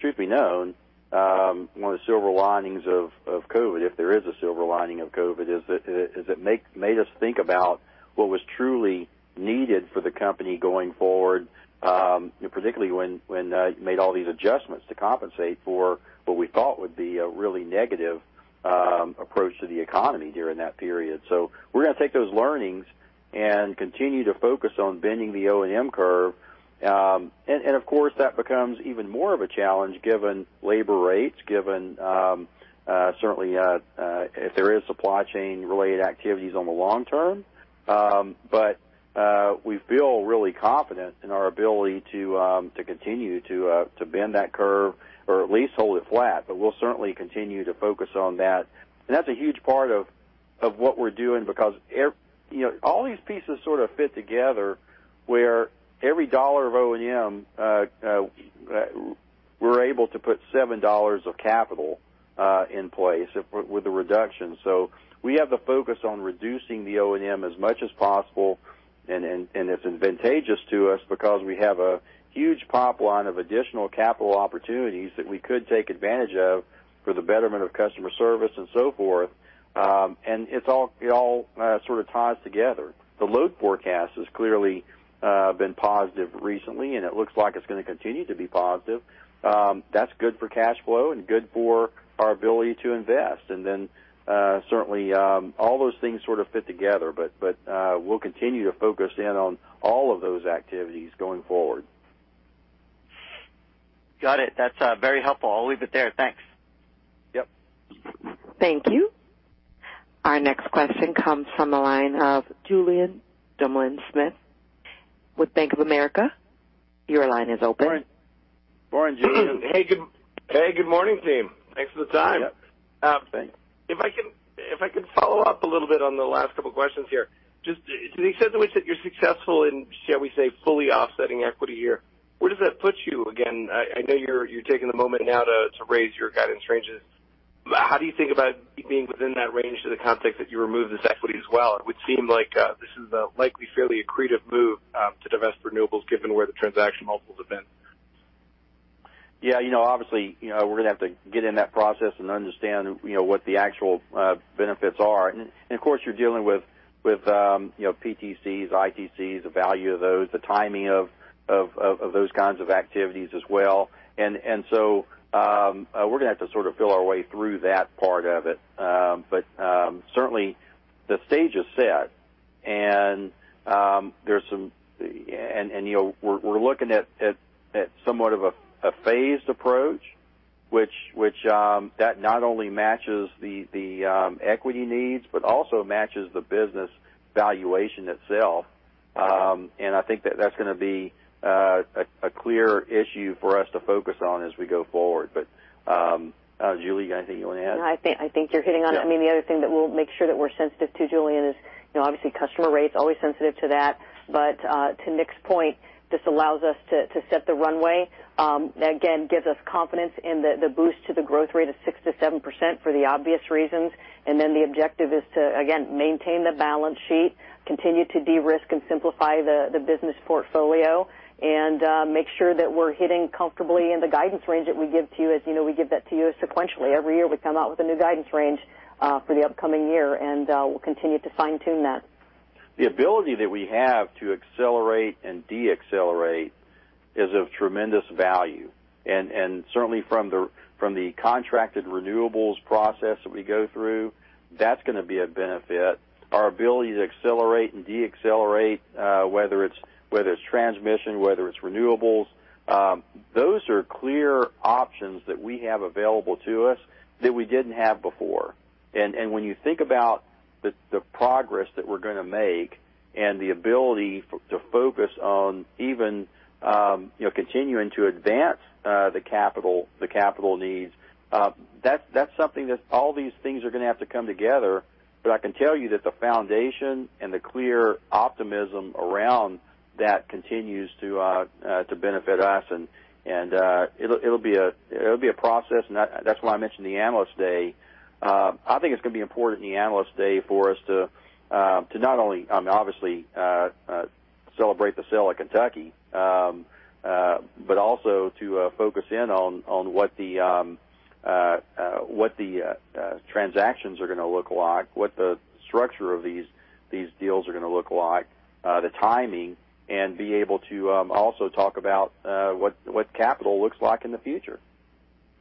truth be known, one of the silver linings of COVID, if there is a silver lining of COVID, is that it made us think about what was truly needed for the company going forward, particularly when you made all these adjustments to compensate for what we thought would be a really negative approach to the economy during that period. We're gonna take those learnings and continue to focus on bending the O&M curve. Of course, that becomes even more of a challenge given labor rates if there is supply chain-related activities in the long term. We feel really confident in our ability to continue to bend that curve or at least hold it flat, but we'll certainly continue to focus on that. That's a huge part of what we're doing because you know, all these pieces sort of fit together, where every $1 of O&M we're able to put $7 of capital in place with the reduction. We have the focus on reducing the O&M as much as possible. It's advantageous to us because we have a huge pipeline of additional capital opportunities that we could take advantage of for the betterment of customer service and so forth. It's all sort of ties together. The load forecast has clearly been positive recently, and it looks like it's gonna continue to be positive. That's good for cash flow and good for our ability to invest. Then certainly all those things sort of fit together. We'll continue to focus in on all of those activities going forward. Got it. That's very helpful. I'll leave it there. Thanks. Yep. Thank you. Our next question comes from the line of Julien Dumoulin-Smith with Bank of America. Your line is open. Morning. Morning, Julien. Hey, good morning, team. Thanks for the time. Yep. Thanks. If I can follow up a little bit on the last couple questions here. Just to the extent to which that you're successful in, shall we say, fully offsetting equity here, where does that put you? Again, I know you're taking a moment now to raise your guidance ranges. How do you think about being within that range in the context that you remove this equity as well? It would seem like this is a likely fairly accretive move to divest renewables given where the transaction multiples have been. Yeah, you know, obviously, you know, we're gonna have to get in that process and understand, you know, what the actual benefits are. Of course, you're dealing with you know PTCs, ITCs, the value of those, the timing of those kinds of activities as well. We're gonna have to sort of feel our way through that part of it. Certainly the stage is set. You know, we're looking at somewhat of a phased approach, which that not only matches the equity needs, but also matches the business valuation itself. I think that's gonna be a clear issue for us to focus on as we go forward. Julie, I think you wanna add? No, I think you're hitting on it. Yeah. I mean, the other thing that we'll make sure that we're sensitive to, Julien, is, you know, obviously customer rates, always sensitive to that. To Nick's point, this allows us to set the runway. Again, gives us confidence in the boost to the growth rate of 6%-7% for the obvious reasons. The objective is to, again, maintain the balance sheet, continue to de-risk and simplify the business portfolio, and make sure that we're hitting comfortably in the guidance range that we give to you. As you know, we give that to you sequentially. Every year, we come out with a new guidance range for the upcoming year, and we'll continue to fine-tune that. The ability that we have to accelerate and deaccelerate is of tremendous value. Certainly from the contracted renewables process that we go through, that's gonna be a benefit. Our ability to accelerate and deaccelerate, whether it's transmission, whether it's renewables, those are clear options that we have available to us that we didn't have before. When you think about the progress that we're gonna make and the ability to focus on even, you know, continuing to advance the capital needs, that's something that all these things are gonna have to come together. I can tell you that the foundation and the clear optimism around that continues to benefit us and it'll be a process. That's why I mentioned the Analyst Day. I think it's gonna be important, the Analyst Day, for us to not only obviously celebrate the sale of Kentucky, but also to focus in on what the transactions are gonna look like, what the structure of these deals are gonna look like, the timing, and be able to also talk about what capital looks like in the future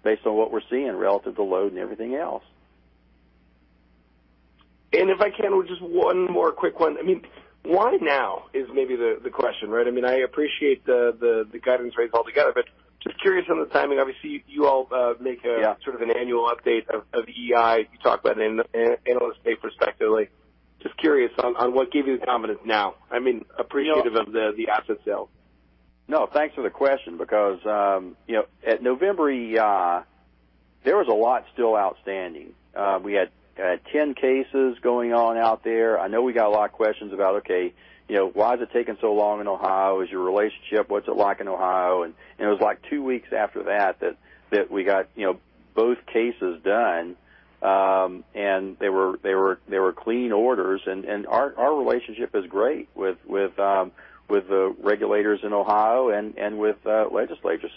based on what we're seeing relative to load and everything else. If I can, just one more quick one. I mean, why now is maybe the question, right? I mean, I appreciate the guidance raise altogether, but just curious on the timing. Obviously, you all make a- Yeah sort of an annual update of EEI. You talk about an Analyst Day prospectively. Just curious on what gave you the confidence now, I mean, appreciative- No- of the asset sale. thanks for the question because, you know, at November EEI, there was a lot still outstanding. We had 10 cases going on out there. I know we got a lot of questions about, okay, you know, why has it taken so long in Ohio? Is your relationship? What's it like in Ohio? It was, like, two weeks after that we got, you know, both cases done. They were clean orders. Our relationship is great with the regulators in Ohio and with the legislature.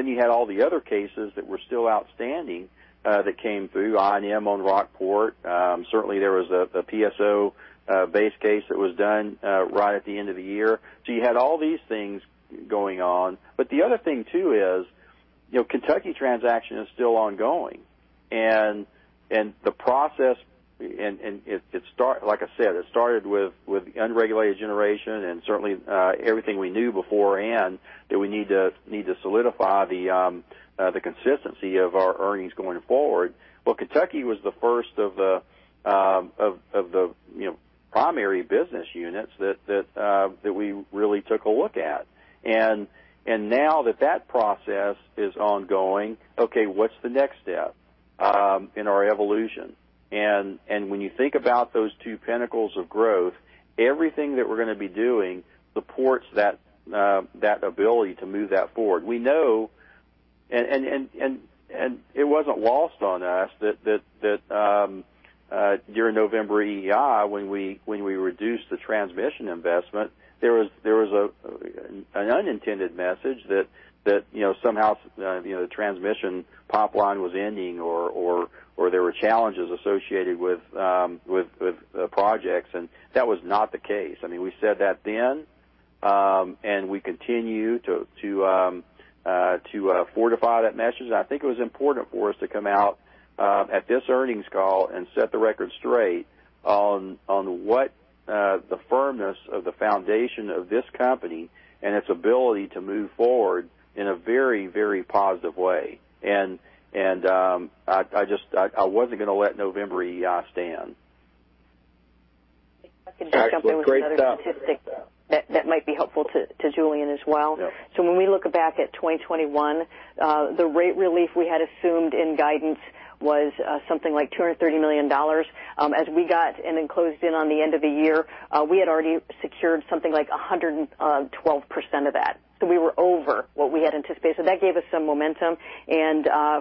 You had all the other cases that were still outstanding that came through, the I&M on Rockport. Certainly, there was a PSO base case that was done right at the end of the year. You had all these things going on. The other thing, too, is Kentucky transaction is still ongoing. The process, like I said, it started with unregulated generation and certainly everything we knew beforehand, that we need to solidify the consistency of our earnings going forward. Well, Kentucky was the first of the primary business units that we really took a look at. Now that that process is ongoing, okay, what's the next step in our evolution? When you think about those two pinnacles of growth, everything that we're gonna be doing supports that ability to move that forward. We know. It wasn't lost on us that during November EEI, when we reduced the transmission investment, there was an unintended message that, you know, somehow, you know, the transmission pipeline was ending or there were challenges associated with projects. That was not the case. I mean, we said that then, and we continue to fortify that message. I think it was important for us to come out at this earnings call and set the record straight on what the firmness of the foundation of this company and its ability to move forward in a very positive way. I just wasn't gonna let November EEI stand. If I can just jump in with another statistic. Actually, great stuff. That might be helpful to Julien as well. Yeah. When we look back at 2021, the rate relief we had assumed in guidance was something like $230 million. As we got and then closed in on the end of the year, we had already secured something like 112% of that. We were over what we had anticipated. That gave us some momentum.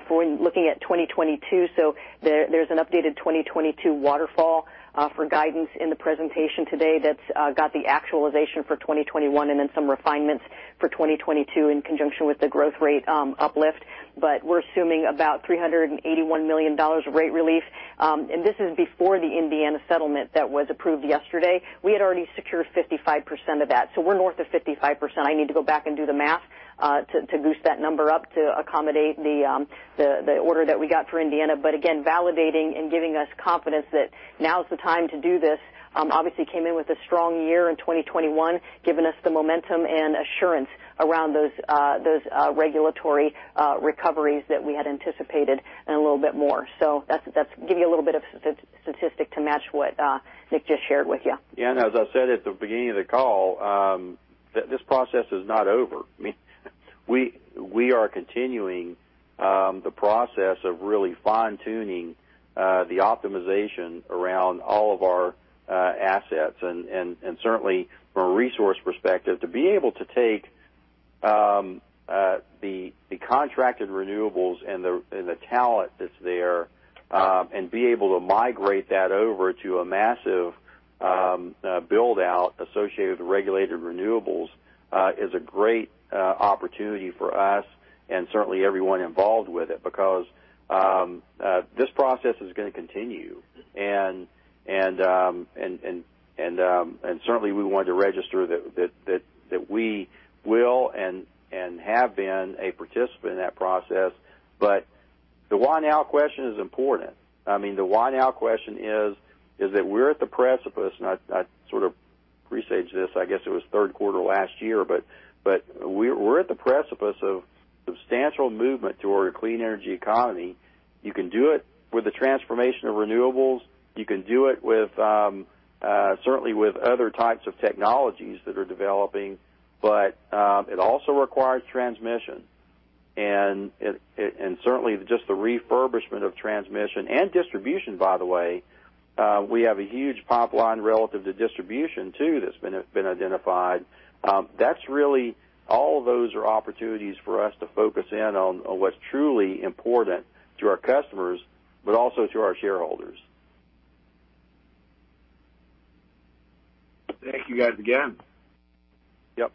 For when looking at 2022, so there's an updated 2022 waterfall for guidance in the presentation today that's got the actualization for 2021 and then some refinements for 2022 in conjunction with the growth rate uplift. We're assuming about $381 million of rate relief. This is before the Indiana settlement that was approved yesterday. We had already secured 55% of that. We're north of 55%. I need to go back and do the math to goose that number up to accommodate the order that we got for Indiana. Again, validating and giving us confidence that now is the time to do this, obviously came in with a strong year in 2021, giving us the momentum and assurance around those regulatory recoveries that we had anticipated and a little bit more. That's give you a little bit of statistic to match what Nick just shared with you. Yeah. As I said at the beginning of the call, this process is not over. I mean, we are continuing the process of really fine-tuning the optimization around all of our assets. Certainly from a resource perspective, to be able to take the contracted renewables and the talent that's there and be able to migrate that over to a massive build-out associated with regulated renewables is a great opportunity for us and certainly everyone involved with it. Because this process is gonna continue. Certainly we want to register that we will and have been a participant in that process. The why now question is important. I mean, the why now question is that we're at the precipice, and I sort of presaged this, I guess, it was third quarter last year. We're at the precipice of substantial movement toward a clean energy economy. You can do it with the transformation of renewables. You can do it certainly with other types of technologies that are developing. It also requires transmission and certainly just the refurbishment of transmission and distribution, by the way. We have a huge pipeline relative to distribution too that's been identified. That's really all those are opportunities for us to focus in on what's truly important to our customers, but also to our shareholders. Thank you guys again. Yep.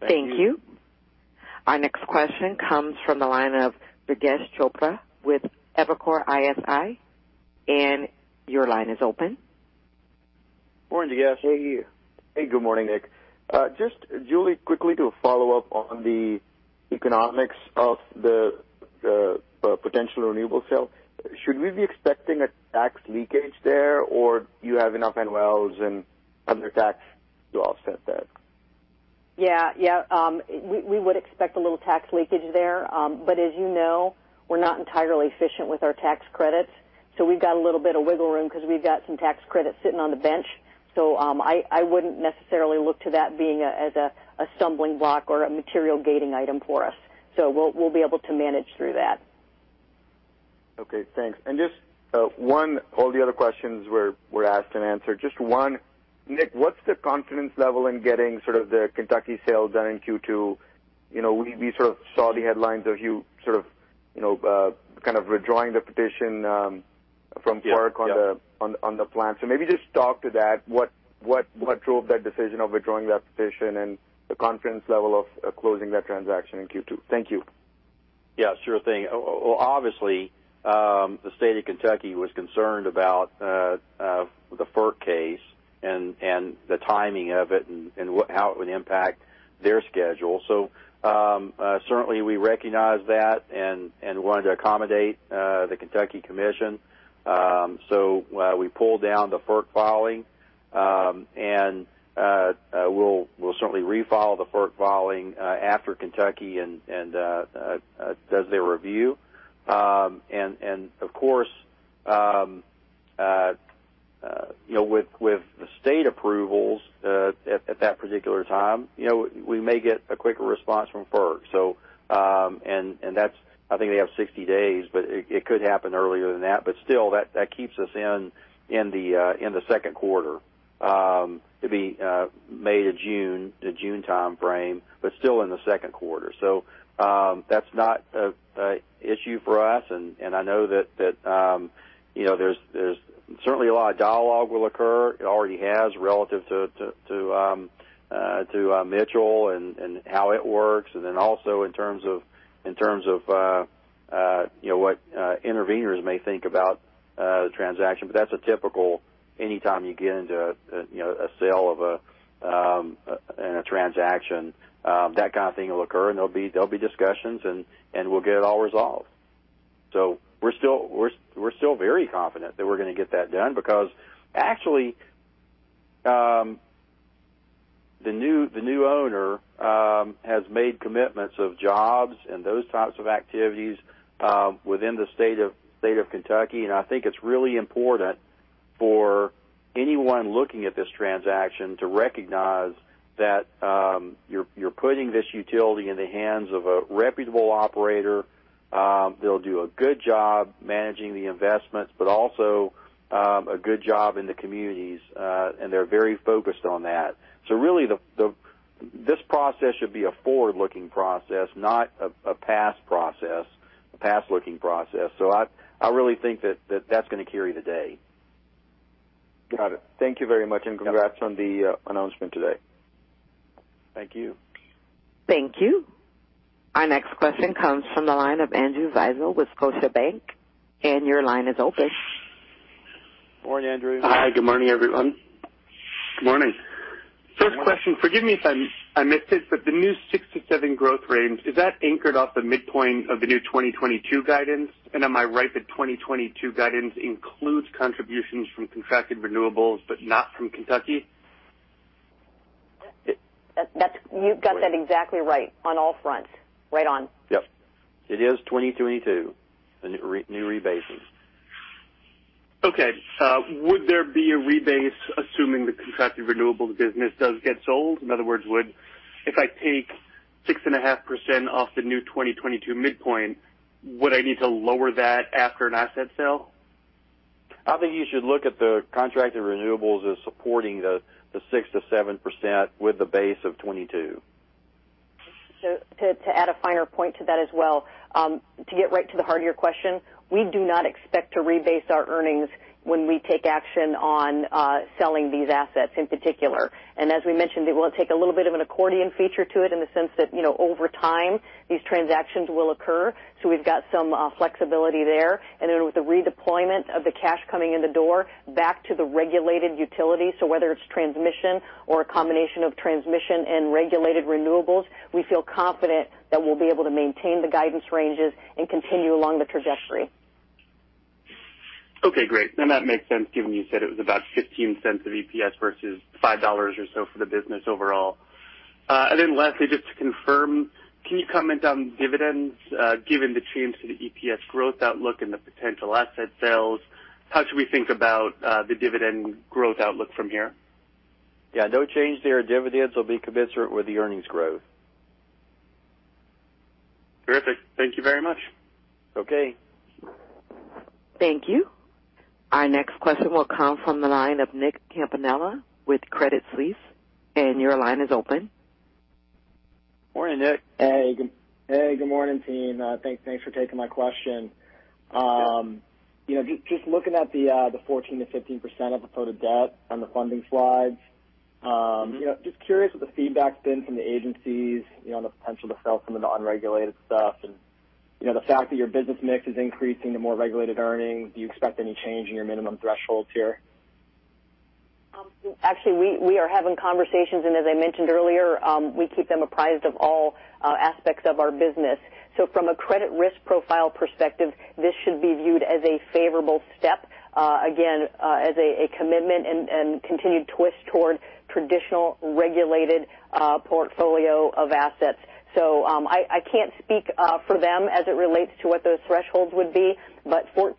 Thank you. Thank you. Our next question comes from the line of Durgesh Chopra with Evercore ISI. Your line is open. Morning, Durgesh. How are you? Hey, good morning, Nick. Just, Julie, quickly to follow up on the economics of the potential renewable sale. Should we be expecting a tax leakage there, or do you have enough NOLs and other tax to offset that? Yeah. We would expect a little tax leakage there. But as you know, we're not entirely efficient with our tax credits, so we've got a little bit of wiggle room because we've got some tax credits sitting on the bench. I wouldn't necessarily look to that being a stumbling block or a material gating item for us. We'll be able to manage through that. Okay, thanks. Just one. All the other questions were asked and answered. Just one. Nick, what's the confidence level in getting sort of the Kentucky sale done in Q2? You know, we sort of saw the headlines of you sort of, you know, kind of withdrawing the petition from FERC. Yeah. on the plan. Maybe just talk to that, what drove that decision of withdrawing that petition and the confidence level of closing that transaction in Q2? Thank you. Yeah, sure thing. Obviously, the state of Kentucky was concerned about the FERC case and the timing of it and how it would impact their schedule. Certainly we recognize that and wanted to accommodate the Kentucky Commission. We pulled down the FERC filing. We'll certainly refile the FERC filing after Kentucky does their review. Of course, you know, with the state approvals at that particular time, you know, we may get a quicker response from FERC. I think they have 60 days, but it could happen earlier than that. Still, that keeps us in the second quarter, the May to June timeframe, but still in the second quarter. That's not an issue for us. I know that you know, there's certainly a lot of dialogue will occur. It already has relative to Mitchell and how it works. Then also in terms of you know what intervenors may think about the transaction, but that's typical anytime you get into you know a sale of a transaction, that kind of thing will occur, and there'll be discussions and we'll get it all resolved. We're still very confident that we're going to get that done because actually the new owner has made commitments of jobs and those types of activities within the state of Kentucky. I think it's really important for anyone looking at this transaction to recognize that you're putting this utility in the hands of a reputable operator. They'll do a good job managing the investments, but also a good job in the communities. They're very focused on that. Really this process should be a forward-looking process, not a past process, a past-looking process. I really think that that's going to carry the day. Got it. Thank you very much and congrats on the announcement today. Thank you. Thank you. Our next question comes from the line of Andrew Weisel with Scotiabank. Your line is open. Morning, Andrew. Hi. Good morning, everyone. Good morning. First question. Forgive me if I missed it, but the new 6%-7% growth range, is that anchored off the midpoint of the new 2022 guidance? Am I right that 2022 guidance includes contributions from contracted renewables, but not from Kentucky? You've got that exactly right on all fronts. Right on. Yep. It is 2022, the new rebasing. Okay. Would there be a rebase, assuming the contracted renewables business does get sold? In other words, would, if I take 6.5% off the new 2022 midpoint, would I need to lower that after an asset sale? I think you should look at the contracted renewables as supporting the 6%-7% with the base of 22. To add a finer point to that as well, to get right to the heart of your question, we do not expect to rebase our earnings when we take action on selling these assets in particular. As we mentioned, we want to take a little bit of an accordion feature to it in the sense that, you know, over time these transactions will occur. We've got some flexibility there. Then with the redeployment of the cash coming in the door back to the regulated utility, whether it's transmission or a combination of transmission and regulated renewables, we feel confident that we'll be able to maintain the guidance ranges and continue along the trajectory. Okay, great. That makes sense given you said it was about $0.15 of EPS versus $5 or so for the business overall. Lastly, just to confirm, can you comment on dividends? Given the change to the EPS growth outlook and the potential asset sales, how should we think about the dividend growth outlook from here? Yeah. No change there. Dividends will be commensurate with the earnings growth. Terrific. Thank you very much. Okay. Thank you. Our next question will come from the line of Nick Campanella with Credit Suisse. Your line is open. Morning, Nick. Hey, good morning, team. Thanks for taking my question. You know, just looking at the 14%-15% of the total debt on the funding slides, you know, just curious what the feedback's been from the agencies, you know, on the potential to sell some of the unregulated stuff. You know, the fact that your business mix is increasing to more regulated earnings, do you expect any change in your minimum thresholds here? Actually, we are having conversations, and as I mentioned earlier, we keep them apprised of all aspects of our business. From a credit risk profile perspective, this should be viewed as a favorable step, again, as a commitment and continued shift toward traditional regulated portfolio of assets. I can't speak for them as it relates to what those thresholds would be, but 14%-15%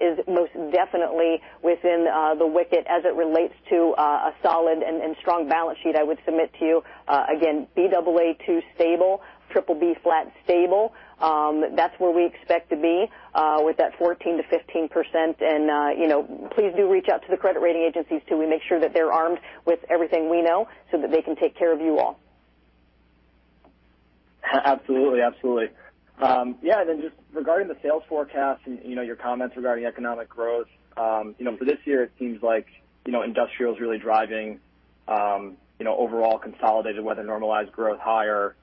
is most definitely within the wicket as it relates to a solid and strong balance sheet I would submit to you. Again, Baa2 stable, BBB flat stable, that's where we expect to be with that 14%-15%. You know, please do reach out to the credit rating agencies to make sure that they're armed with everything we know so that they can take care of you all. Absolutely. Yeah. Just regarding the sales forecast and, you know, your comments regarding economic growth, you know, for this year, it seems like, you know, industrial is really driving, you know, overall consolidated weather normalized growth higher.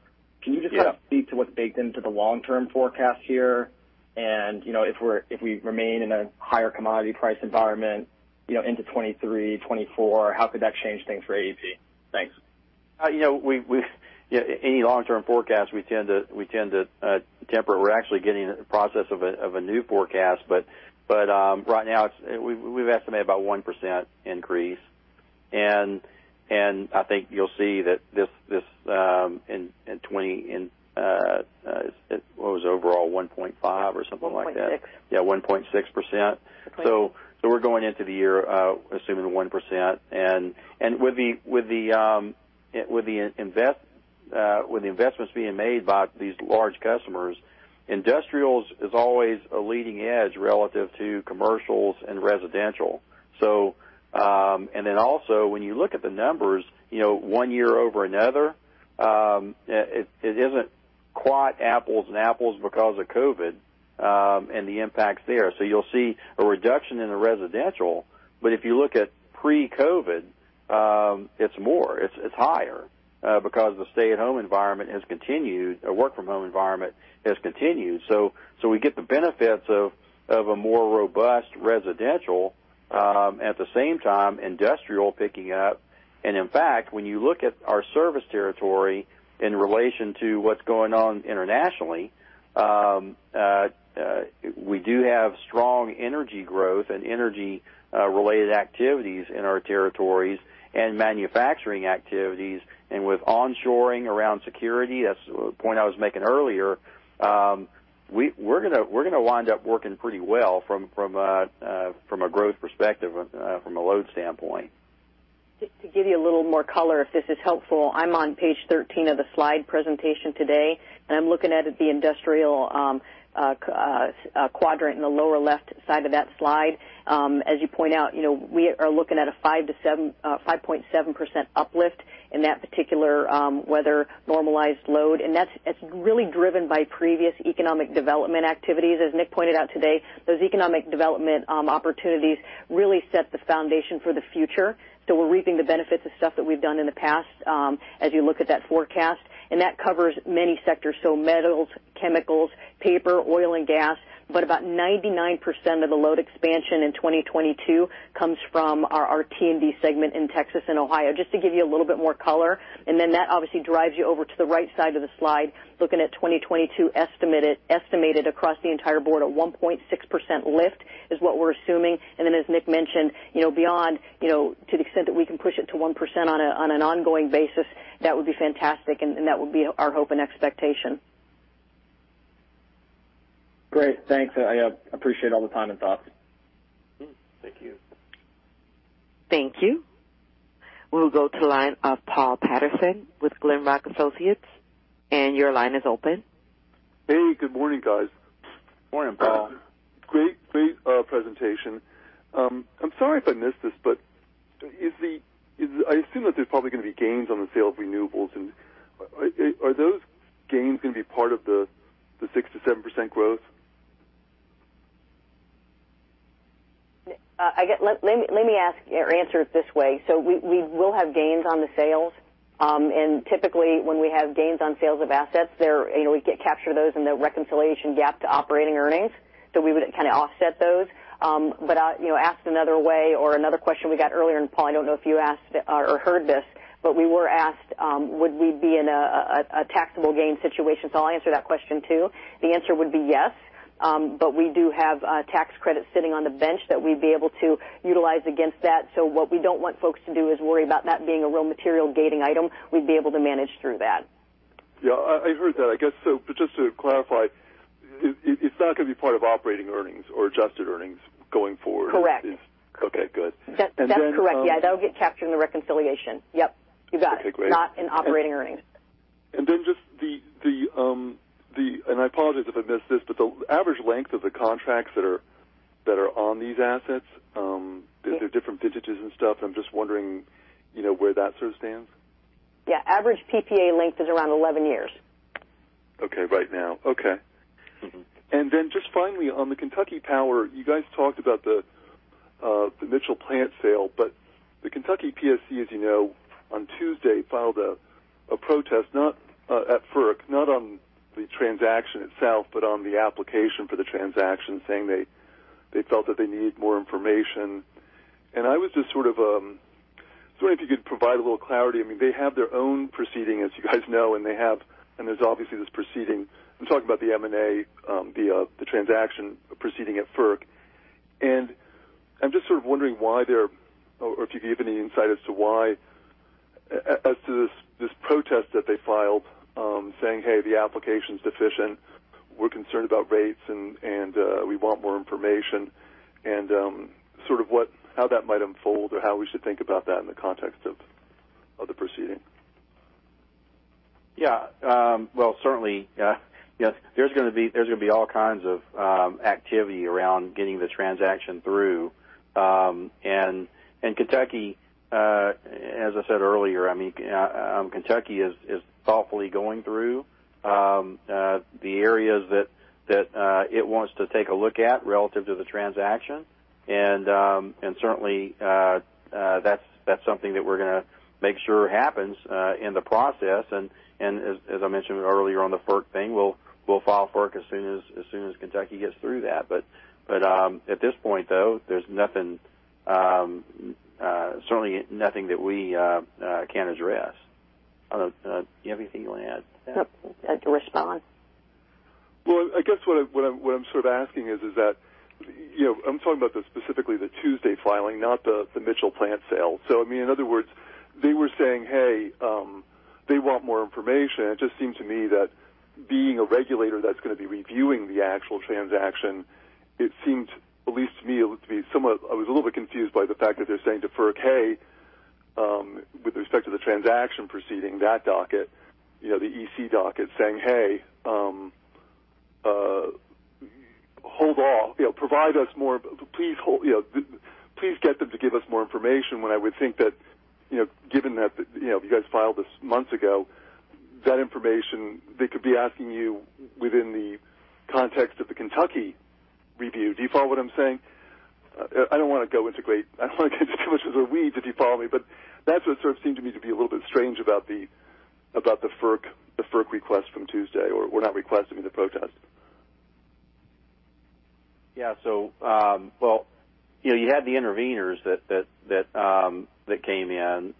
Yeah. Can you just kind of speak to what's baked into the long-term forecast here? You know, if we remain in a higher commodity price environment, you know, into 2023, 2024, how could that change things for AEP? Thanks. You know, any long-term forecast, we tend to temper. We're actually getting into the process of a new forecast. Right now, we've estimated about 1% increase. I think you'll see that this in what was overall 1.5% or something like that? 1.6. Yeah, 1.6%. Yeah. We're going into the year, assuming 1%. With the investments being made by these large customers, industrials is always a leading edge relative to commercials and residential. When you look at the numbers, one year over another, it isn't quite apples and apples because of COVID and the impact there. You'll see a reduction in the residential, but if you look at pre-COVID, it's higher because the stay-at-home environment has continued. A work-from-home environment has continued. We get the benefits of a more robust residential at the same time, industrial picking up. In fact, when you look at our service territory in relation to what's going on internationally, we do have strong energy growth and energy related activities in our territories and manufacturing activities. With onshoring around security, that's a point I was making earlier, we're gonna wind up working pretty well from a growth perspective, from a load standpoint. Just to give you a little more color, if this is helpful. I'm on page 13 of the slide presentation today, and I'm looking at it, the industrial quadrant in the lower left side of that slide. As you point out, you know, we are looking at a 5.7% uplift in that particular weather-normalized load. That's really driven by previous economic development activities. As Nick pointed out today, those economic development opportunities really set the foundation for the future. We're reaping the benefits of stuff that we've done in the past as you look at that forecast. That covers many sectors, so metals, chemicals, paper, oil and gas. About 99% of the load expansion in 2022 comes from our T&D segment in Texas and Ohio. Just to give you a little bit more color. Then that obviously drives you over to the right side of the slide. Looking at 2022 estimated across the entire board at 1.6% lift is what we're assuming. Then, as Nick mentioned, you know, beyond, you know, to the extent that we can push it to 1% on an ongoing basis, that would be fantastic, and that would be our hope and expectation. Great. Thanks. I appreciate all the time and thought. Thank you. Thank you. We'll go to the line of Paul Patterson with Glenrock Associates. Your line is open. Hey, good morning, guys. Morning, Paul. Great presentation. I'm sorry if I missed this, but I assume that there's probably going to be gains on the sales of renewables. Are those gains going to be part of the 6%-7% growth? Let me answer it this way. We will have gains on the sales. Typically, when we have gains on sales of assets, they're, you know, we capture those in the reconciliation from GAAP to operating earnings. We would kind of offset those. You know, asked another way or another question we got earlier, and Paul, I don't know if you asked or heard this, but we were asked, would we be in a taxable gain situation? I'll answer that question too. The answer would be yes. We do have tax credits sitting on the bench that we'd be able to utilize against that. What we don't want folks to do is worry about that being a real material gating item. We'd be able to manage through that. Yeah, I heard that. I guess so, but just to clarify, it's not going to be part of operating earnings or adjusted earnings going forward. Correct. Okay, good. That's correct. Yeah, that'll get captured in the reconciliation. Yep, you got it. Okay, great. Not in operating earnings. I apologize if I missed this, but the average length of the contracts that are on these assets, they're different digits and stuff. I'm just wondering, you know, where that sort of stands. Yeah, average PPA length is around 11 years. Okay. Right now. Okay. Mm-hmm. Just finally on the Kentucky Power, you guys talked about the Mitchell Plant sale, but the Kentucky PSC, as you know, on Tuesday filed a protest, not at FERC, not on the transaction itself, but on the application for the transaction, saying they felt that they need more information. I was just sort of wondering if you could provide a little clarity. I mean, they have their own proceeding, as you guys know, and there's obviously this proceeding. I'm talking about the M&A, the transaction proceeding at FERC. I'm just sort of wondering why they're or if you could give any insight as to why, as to this protest that they filed, saying, "Hey, the application's deficient. We're concerned about rates and we want more information, and sort of how that might unfold or how we should think about that in the context of the proceeding. Yeah. Well, certainly, yes, there's gonna be all kinds of activity around getting the transaction through. Kentucky, as I said earlier, I mean, Kentucky is thoughtfully going through the areas that it wants to take a look at relative to the transaction. Certainly, that's something that we're gonna make sure happens in the process. As I mentioned earlier on the FERC thing, we'll file FERC as soon as Kentucky gets through that. At this point, though, there's nothing, certainly nothing that we can't address. Do you have anything you want to add? Nope. That's a response. Well, I guess what I'm sort of asking is that, you know, I'm talking about specifically the Tuesday filing, not the Mitchell Plant sale. I mean, in other words, they were saying, hey, they want more information. It just seemed to me that being a regulator that's going to be reviewing the actual transaction, it seems, at least to me, it would be somewhat. I was a little bit confused by the fact that they're saying to FERC, hey, with respect to the transaction proceeding, that docket, you know, the EC docket saying, "Hey, hold off. You know, provide us more. Please hold. You know, please get them to give us more information," when I would think that, you know, given that, you know, you guys filed this months ago. That information they could be asking you within the context of the Kentucky review. Do you follow what I'm saying? I don't want to give too much as a read if you follow me, but that's what sort of seemed to me to be a little bit strange about the FERC request from Tuesday, or well, not request, I mean, the protest. Yeah. Well, you know, you had the intervenors that came in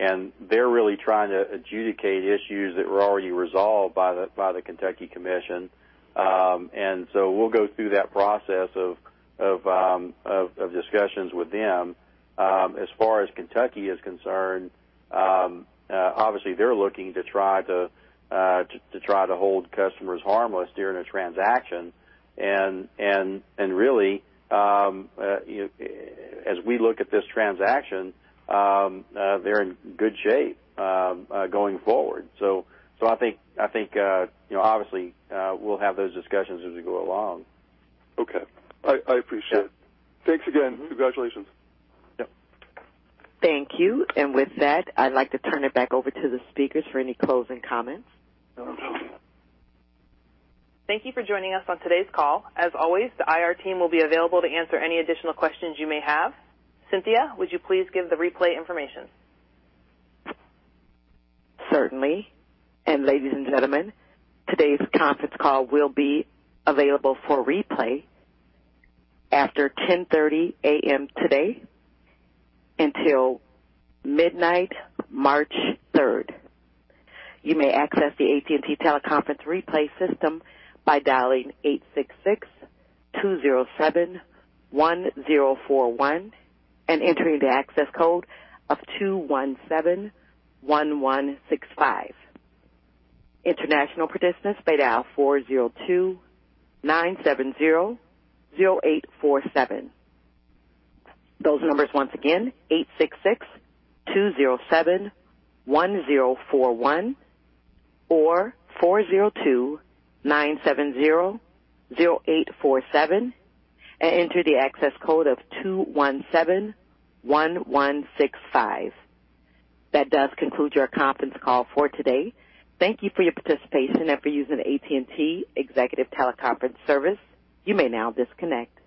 and they're really trying to adjudicate issues that were already resolved by the Kentucky Commission. We'll go through that process of discussions with them. As far as Kentucky is concerned, obviously they're looking to try to hold customers harmless during a transaction. Really, as we look at this transaction, they're in good shape going forward. I think, you know, obviously, we'll have those discussions as we go along. Okay. I appreciate it. Yeah. Thanks again. Mm-hmm. Congratulations. Yep. Thank you. With that, I'd like to turn it back over to the speakers for any closing comments. No, I'm done. Thank you for joining us on today's call. As always, the IR team will be available to answer any additional questions you may have. Cynthia, would you please give the replay information? Certainly. Ladies and gentlemen, today's conference call will be available for replay after 10:30 A.M. today until midnight March 3. You may access the AT&T teleconference replay system by dialing 866-207-1041 and entering the access code of 2171165. International participants may dial 402-970-0847. Those numbers once again, 866-207-1041 or 402-970-0847 and enter the access code of 2171165. That does conclude your conference call for today. Thank you for your participation and for using AT&T Executive Teleconference Service. You may now disconnect.